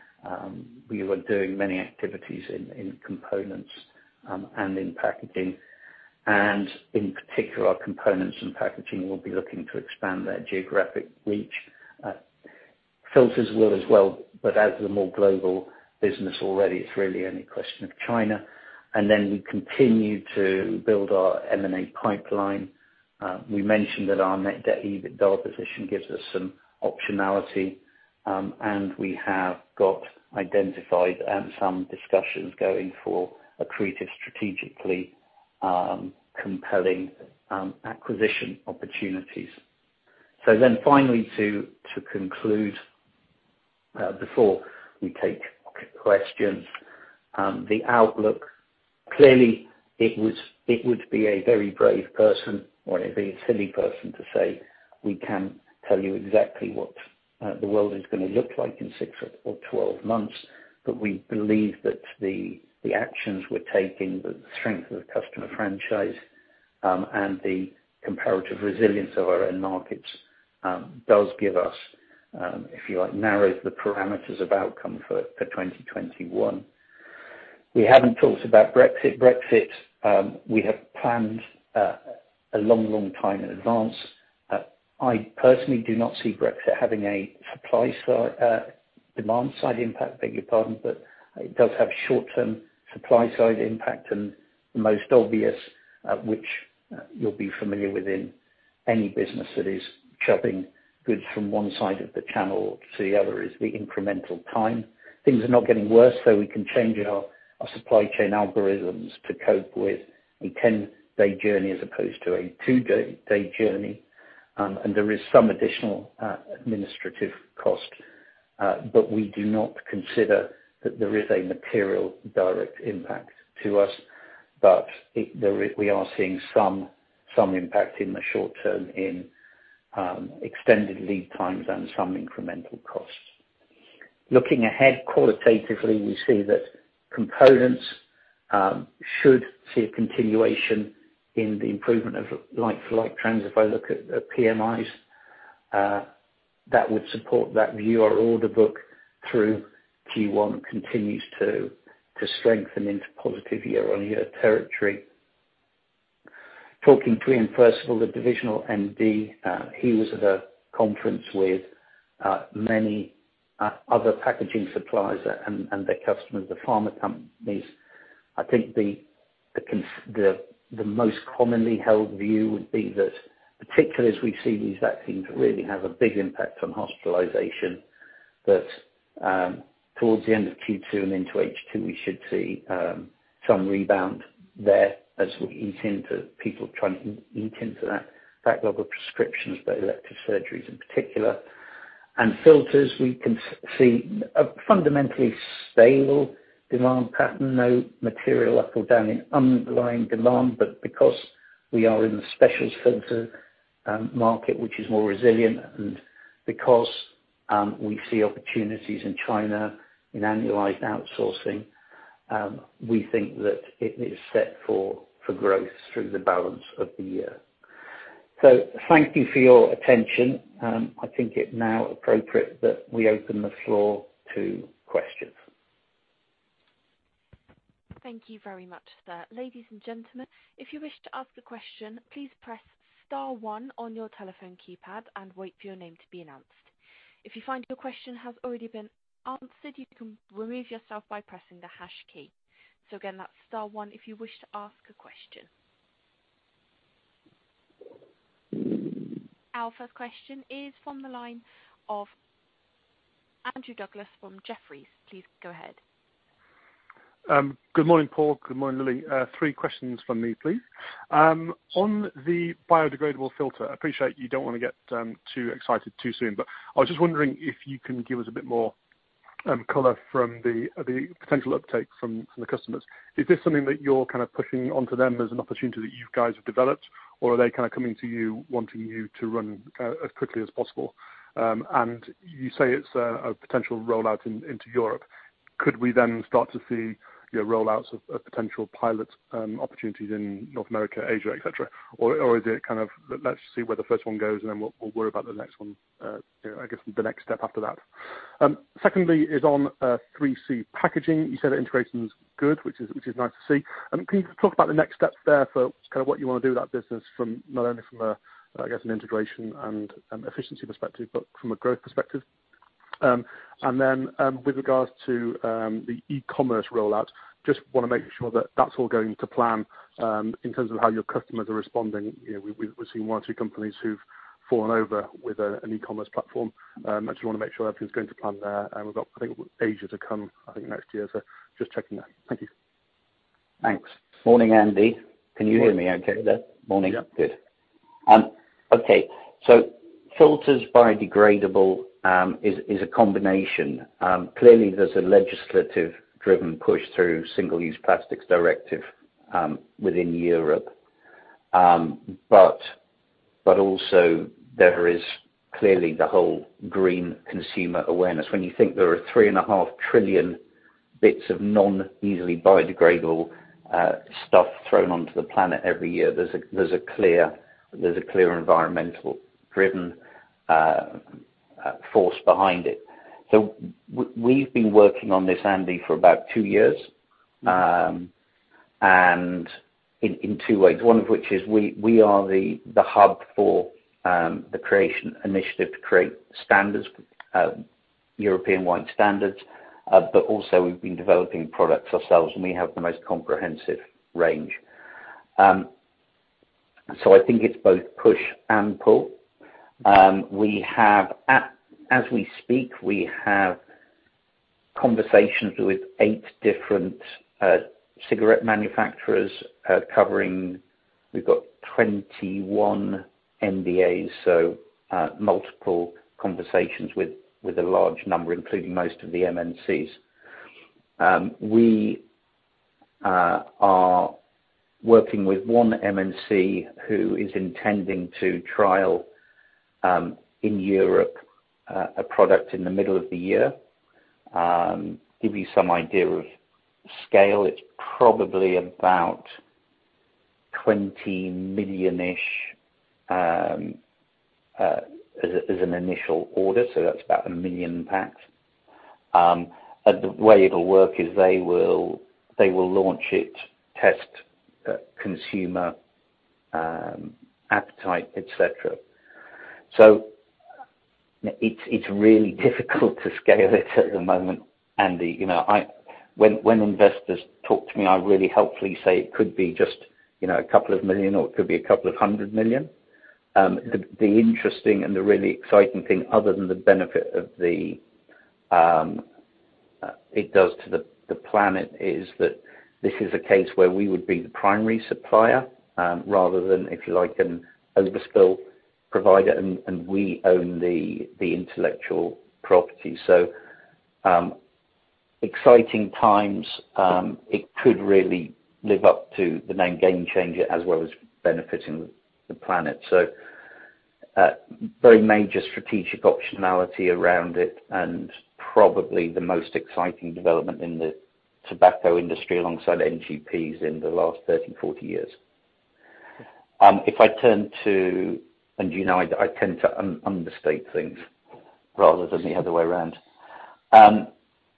we are doing many activities in components and in packaging. in particular, our components and packaging, we'll be looking to expand their geographic reach. Filters will as well, but as a more global business already, it's really only a question of China. we continue to build our M&A pipeline. We mentioned that our net debt EBITDA position gives us some optionality, and we have got identified and some discussions going for accretive, strategically compelling acquisition opportunities. finally, to conclude, before we take questions. The outlook. Clearly, it would be a very brave person or a very silly person to say we can tell you exactly what the world is going to look like in six or 12 months. We believe that the actions we're taking, the strength of the customer franchise, and the comparative resilience of our end markets does give us, if you like, narrows the parameters of outcome for 2021. We haven't talked about Brexit. Brexit, we have planned a long time in advance. I personally do not see Brexit having a demand-side impact, beg your pardon, but it does have short-term supply-side impact, and the most obvious, which you'll be familiar with in any business that is shoving goods from one side of the channel to the other, is the incremental time. Things are not getting worse, so we can change our supply chain algorithms to cope with a 10-day journey as opposed to a two-day journey. There is some additional administrative cost. We do not consider that there is a material direct impact to us. We are seeing some impact in the short term in extended lead times and some incremental costs. Looking ahead qualitatively, we see that components should see a continuation in the improvement of like-for-like trends. If I look at PMIs, that would support that view. Our order book through Q1 continues to strengthen into positive year-on-year territory. Talking to Iain Percival, the divisional MD, he was at a conference with many other packaging suppliers and their customers, the pharma companies. I think the most commonly held view would be that, particularly as we see these vaccines really have a big impact on hospitalization, that towards the end of Q2 and into H2, we should see some rebound there as we eat into people trying to eat into that backlog of prescriptions, but elective surgeries in particular. filters, we can see a fundamentally stable demand pattern, no material up or down in underlying demand. because we are in the specialist filter market, which is more resilient, and because we see opportunities in China in annualized outsourcing, we think that it is set for growth through the balance of the year. thank you for your attention. I think it now appropriate that we open the floor to questions. Thank you very much, sir. Ladies and gentlemen, if you wish to ask a question, please press star one on your telephone keypad and wait for your name to be announced. If you find your question has already been answered, you can remove yourself by pressing the hash key. So again, that's star one if you wish to ask a question. Our first question is from the line of Andrew Douglas from Jefferies. Please go ahead. Good morning, Paul. Good morning, Lily. Three questions from me, please. On the biodegradable filter, I appreciate you don't want to get too excited too soon, but I was just wondering if you can give us a bit more color from the potential uptake from the customers. Is this something that you're pushing onto them as an opportunity that you guys have developed, or are they coming to you wanting you to run as quickly as possible? You say it's a potential rollout into Europe, could we then start to see your rollouts of potential pilot opportunities in North America, Asia, et cetera? Is it kind of, let's see where the first one goes and then we'll worry about the next one, I guess the next step after that? Secondly is on 3C! Packaging. You said that integration is good, which is nice to see. Can you talk about the next steps there for what you want to do with that business from not only from an integration and efficiency perspective, but from a growth perspective? With regards to the e-commerce rollout, just want to make sure that that's all going to plan in terms of how your customers are responding. We've seen one or two companies who've fallen over with an e-commerce platform. I just want to make sure everything's going to plan there. We've got, I think, Asia to come, I think, next year. Just checking that. Thank you. Thanks. Morning, Andy. Can you hear me okay there? Morning. Good. Okay. Filters biodegradable is a combination. Clearly, there's a legislative-driven push through Single-Use Plastics Directive within Europe. Also there is clearly the whole green consumer awareness. When you think there are 3.5 trillion bits of non-easily biodegradable stuff thrown onto the planet every year, there's a clear environmental-driven force behind it. We've been working on this, Andy, for about two years, and in two ways. One of which is we are the hub for the creation initiative to create European-wide standards. Also we've been developing products ourselves, and we have the most comprehensive range. I think it's both push and pull. As we speak, we have conversations with eight different cigarette manufacturers covering. We've got 21 NDAs, so multiple conversations with a large number, including most of the MNCs. We are working with one MNC who is intending to trial in Europe a product in the middle of the year. To give you some idea of scale, it's probably about 20 million-ish as an initial order, so that's about 1 million packs. The way it'll work is they will launch it, test consumer appetite, et cetera. It's really difficult to scale it at the moment, Andy. When investors talk to me, I really helpfully say it could be just a couple of million, or it could be a couple of hundred million. The interesting and the really exciting thing other than the benefit it does to the planet is that this is a case where we would be the primary supplier rather than, if you like, an overspill provider, and we own the intellectual property. Exciting times. It could really live up to the name game changer as well as benefiting the planet. Very major strategic optionality around it and probably the most exciting development in the tobacco industry alongside NGPs in the last 30, 40 years. You know I tend to understate things rather than the other way around.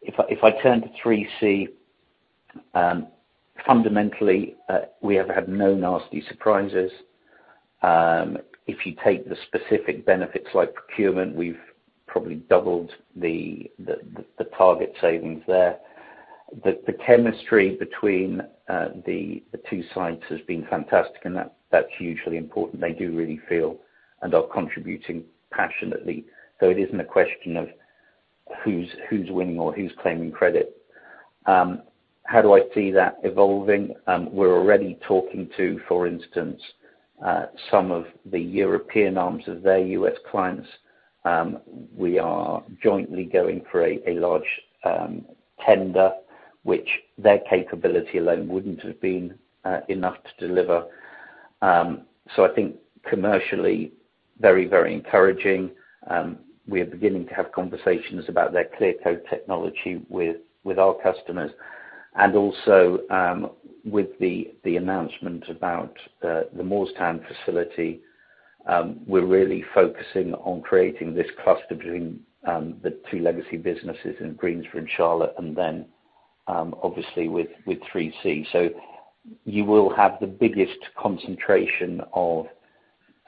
If I turn to 3C!, fundamentally, we have had no nasty surprises. If you take the specific benefits like procurement, we've probably doubled the target savings there. The chemistry between the two sites has been fantastic, and that's hugely important. They do really feel and are contributing passionately, so it isn't a question of who's winning or who's claiming credit. How do I see that evolving? We're already talking to, for instance, some of the European arms of their U.S. clients. We are jointly going for a large tender, which their capability alone wouldn't have been enough to deliver. I think commercially very, very encouraging. We are beginning to have conversations about their clear code technology with our customers and also with the announcement about the Moorestown facility. We're really focusing on creating this cluster between the two legacy businesses in Greensboro and Charlotte and then obviously with 3C!. You will have the biggest concentration of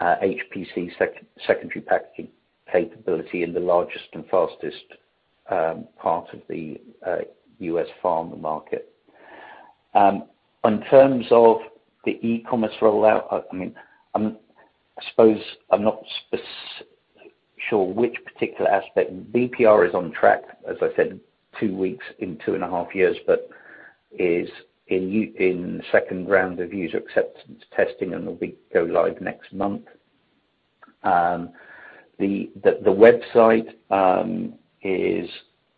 HPC secondary packaging capability in the largest and fastest part of the U.S. pharma market. In terms of the e-commerce rollout, I suppose I'm not sure which particular aspect. BPR is on track, as I said, two weeks in two and a half years, but is in the second round of user acceptance testing and will go live next month. The website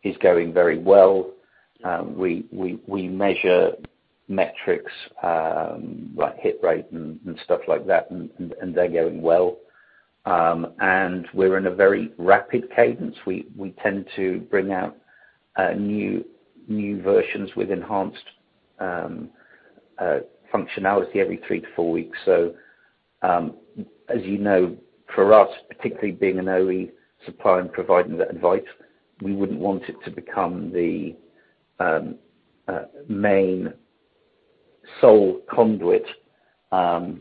is going very well. We measure metrics like hit rate and stuff like that, and they're going well. We're in a very rapid cadence. We tend to bring out new versions with enhanced functionality every three to four weeks. As you know, for us, particularly being an OE supplier and providing that advice, we wouldn't want it to become the main sole conduit. I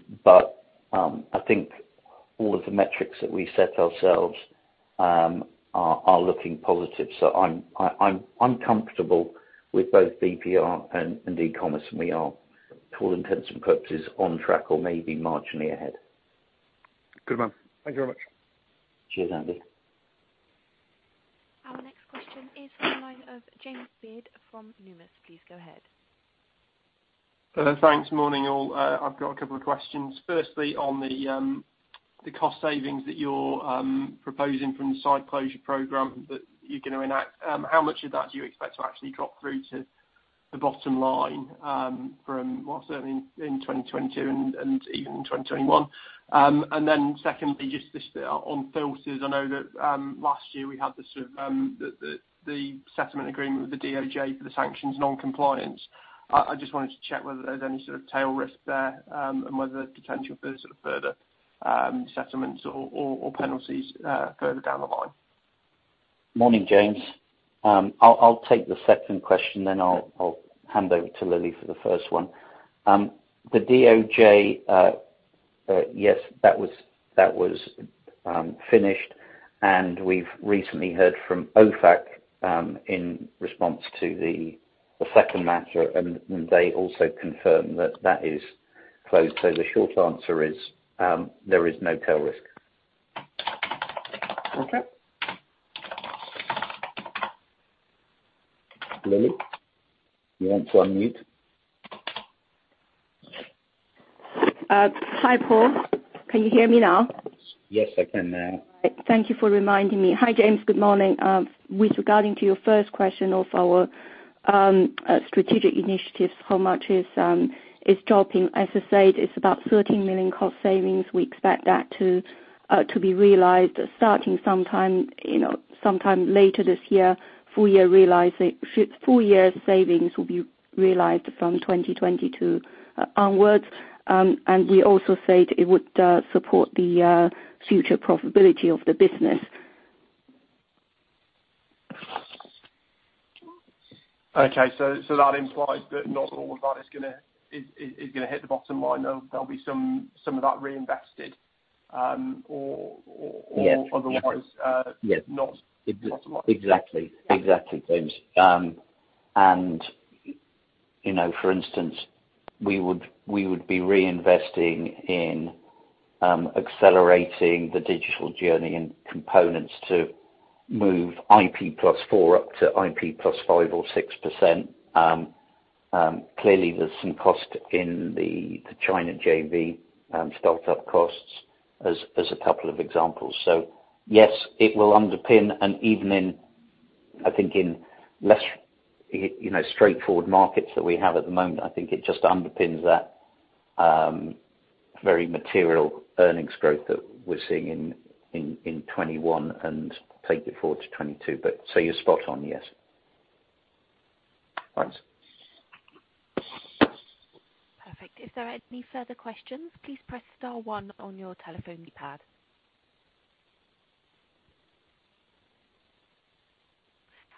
think all of the metrics that we set ourselves are looking positive. I'm comfortable with both BPR and e-commerce, and we are, for all intents and purposes, on track or maybe marginally ahead. Good man. Thank you very much. Cheers, Andy. Our next question is on the line of James Beard from Numis. Please go ahead. Thanks. Morning, all. I've got a couple of questions. Firstly, on the cost savings that you're proposing from the site closure program that you're going to enact, how much of that do you expect to actually drop through to the bottom line from, well, certainly in 2022 and even in 2021? Secondly, just on filters. I know that last year we had the settlement agreement with the DOJ for the sanctions non-compliance. I just wanted to check whether there's any sort of tail risk there, and whether potential for sort of further settlements or penalties further down the line. Morning, James. I'll take the second question then I'll hand over to Lily for the first one. The DOJ, yes, that was finished, and we've recently heard from OFAC in response to the second matter, and they also confirmed that that is closed. The short answer is, there is no tail risk. Okay. Lily, you want to unmute? Hi, Paul. Can you hear me now? Yes, I can now. Thank you for reminding me. Hi, James. Good morning. With regarding to your first question of our strategic initiatives, how much is dropping? As I said, it's about 13 million cost savings. We expect that to be realized starting sometime later this year, full year savings will be realized from 2022 onwards. We also said it would support the future profitability of the business. Okay. that implies that not all of that is going to hit the bottom line, though there'll be some of that reinvested or- Yes otherwise- Yes ...not bottom line. Exactly, James. For instance, we would be reinvesting in accelerating the digital journey and components to move IP plus 4% up to IP plus 5% or 6%. Clearly, there's some cost in the China JV, start-up costs as a couple of examples. Yes, it will underpin, and even, I think, in less straightforward markets that we have at the moment, I think it just underpins that very material earnings growth that we're seeing in '21 and take it forward to '22. You're spot on, yes. Thanks. Perfect. If there are any further questions, please press star one on your telephone keypad.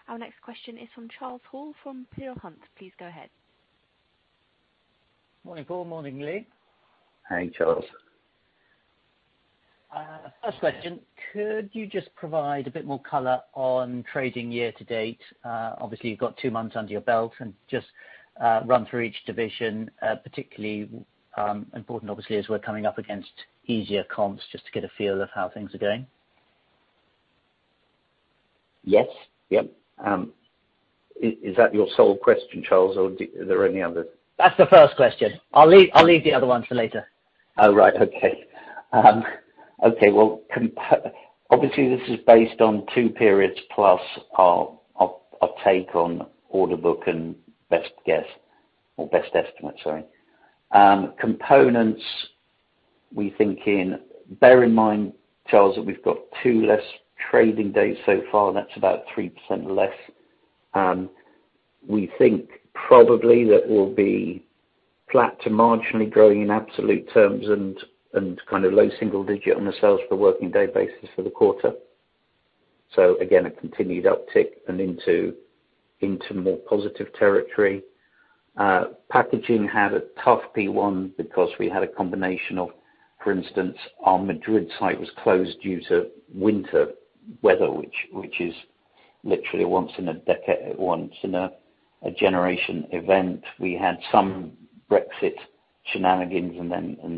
Our next question is from Charles Hall from Peel Hunt. Please go ahead. Morning, Paul. Morning, Lily. Hey, Charles. First question, could you just provide a bit more color on trading year-to-date? Obviously, you've got two months under your belt and just run through each division, particularly important obviously as we're coming up against easier comps, just to get a feel of how things are going. Yes. Is that your sole question, Charles, or are there any others? That's the first question. I'll leave the other one for later. Oh, right. Okay. Well, obviously this is based on two periods plus our take on order book and best guess or best estimate, sorry. Components, bear in mind, Charles, that we've got two less trading days so far, and that's about 3% less. We think probably that we'll be flat to marginally growing in absolute terms and kind of low single digit on the sales per working day basis for the quarter. Again, a continued uptick and into more positive territory. Packaging had a tough P1 because we had a combination of, for instance, our Madrid site was closed due to winter weather, which is literally a once in a generation event. We had some Brexit shenanigans and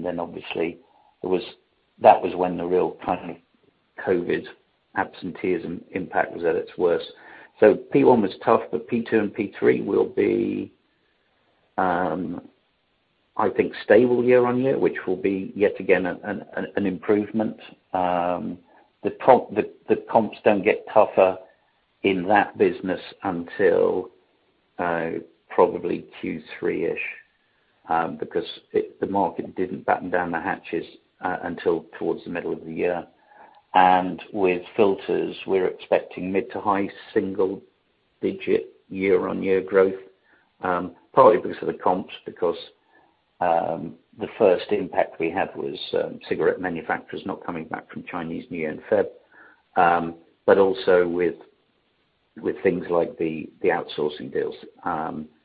then obviously that was when the real kind of COVID absenteeism impact was at its worst. P1 was tough, but P2 and P3 will be I think stable year-on-year, which will be yet again an improvement. The comps don't get tougher in that business until probably Q3-ish because the market didn't batten down the hatches until towards the middle of the year. with filters, we're expecting mid to high single digit year-on-year growth, partly because of the comps, because the first impact we had was cigarette manufacturers not coming back from Chinese New Year in Feb. also with things like the outsourcing deals.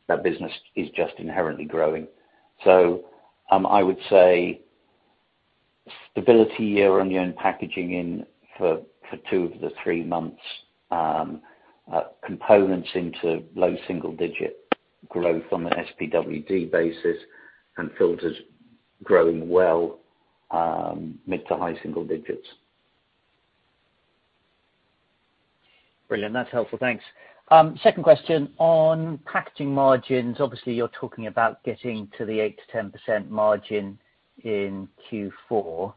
That business is just inherently growing. I would say stability year-on-year in packaging in for two of the three months. Components into low single digit growth on the SPWD basis and filters growing well, mid to high single digits. Brilliant. That's helpful. Thanks. Second question on packaging margins. Obviously, you're talking about getting to the 8%-10% margin in Q4.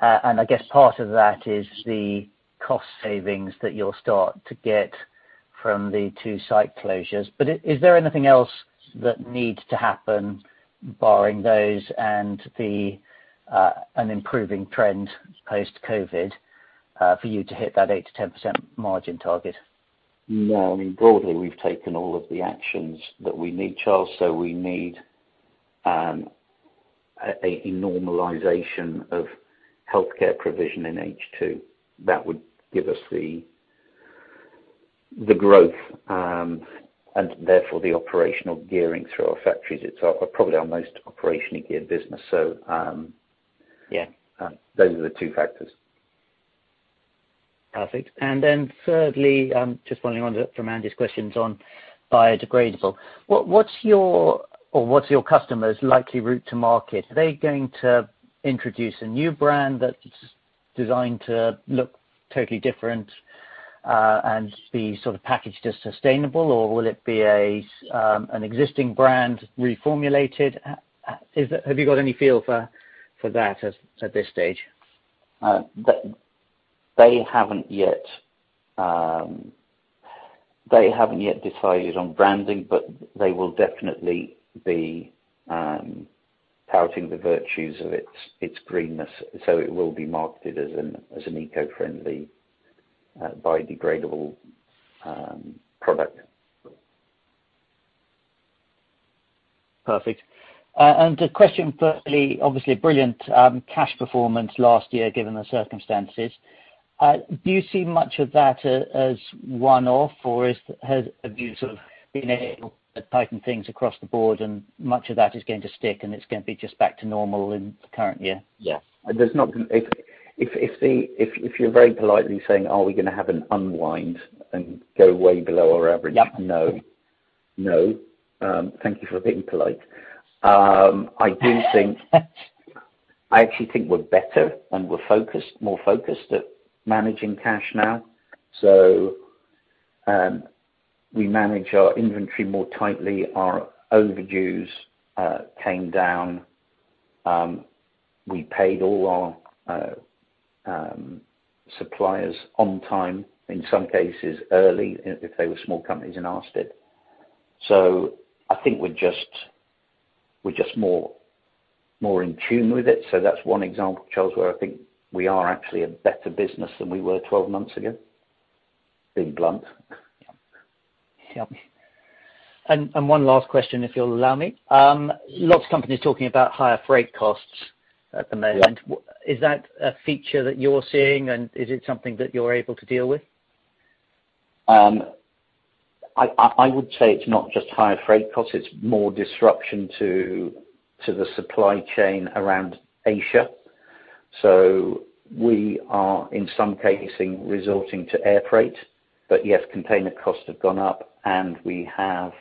I guess part of that is the cost savings that you'll start to get from the two site closures. Is there anything else that needs to happen barring those and an improving trend post-COVID, for you to hit that 8%-10% margin target? No, I mean, broadly, we've taken all of the actions that we need, Charles. We need a normalization of healthcare provision in H2. That would give us the growth, and therefore the operational gearing through our factories. It's probably our most operationally geared business. Yeah ..those are the two factors. Perfect. Thirdly, just following on from Andy's questions on biodegradable. What's your customer's likely route to market? Are they going to introduce a new brand that is designed to look totally different, and be sort of packaged as sustainable, or will it be an existing brand reformulated? Have you got any feel for that at this stage? They haven't yet decided on branding, but they will definitely be touting the virtues of its greenness, so it will be marketed as an eco-friendly, biodegradable product. Perfect. A question for Lily. Obviously, brilliant cash performance last year, given the circumstances. Do you see much of that as one-off, or have you been able to tighten things across the board, and much of that is going to stick, and it's going to be just back to normal in the current year? Yeah. If you're very politely saying, are we going to have an unwind and go way below our average? No. Thank you for being polite. I actually think we're better, and we're more focused at managing cash now. We manage our inventory more tightly. Our overdues came down. We paid all our suppliers on time, in some cases early, if they were small companies and asked it. I think we're just more in tune with it. That's one example, Charles, where I think we are actually a better business than we were 12 months ago. Being blunt. Yep. One last question, if you'll allow me. Lots of companies talking about higher freight costs at the moment. Yeah. Is that a feature that you're seeing, and is it something that you're able to deal with? I would say it's not just higher freight costs, it's more disruption to the supply chain around Asia. We are, in some cases, resorting to air freight. Yes, container costs have gone up, and we have,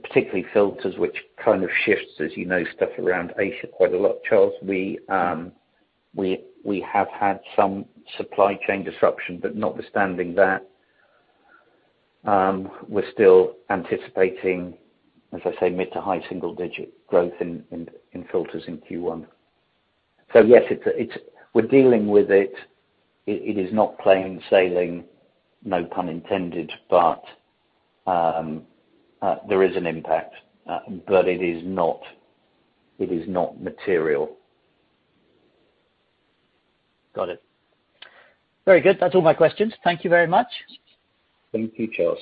particularly filters, which kind of shifts, stuff around Asia quite a lot, Charles. We have had some supply chain disruption, but notwithstanding that, we're still anticipating, as I say, mid to high single-digit growth in filters in Q1. Yes, we're dealing with it. It is not plain sailing, no pun intended, but there is an impact. It is not material. Got it. Very good. That's all my questions. Thank you very much. Thank you, Charles.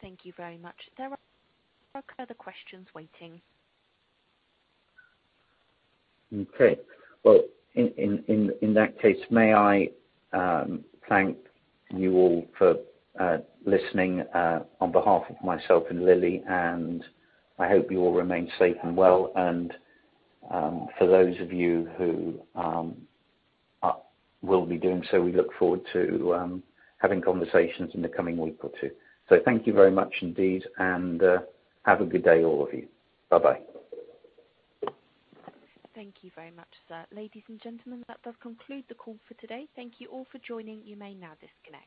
Thank you very much. There are no further questions waiting. Okay. Well, in that case, may I thank you all for listening on behalf of myself and Lily, and I hope you all remain safe and well, and for those of you who will be doing so, we look forward to having conversations in the coming week or two. Thank you very much indeed, and have a good day, all of you. Bye-bye. Thank you very much, sir. Ladies and gentlemen, that does conclude the call for today. Thank you all for joining. You may now disconnect.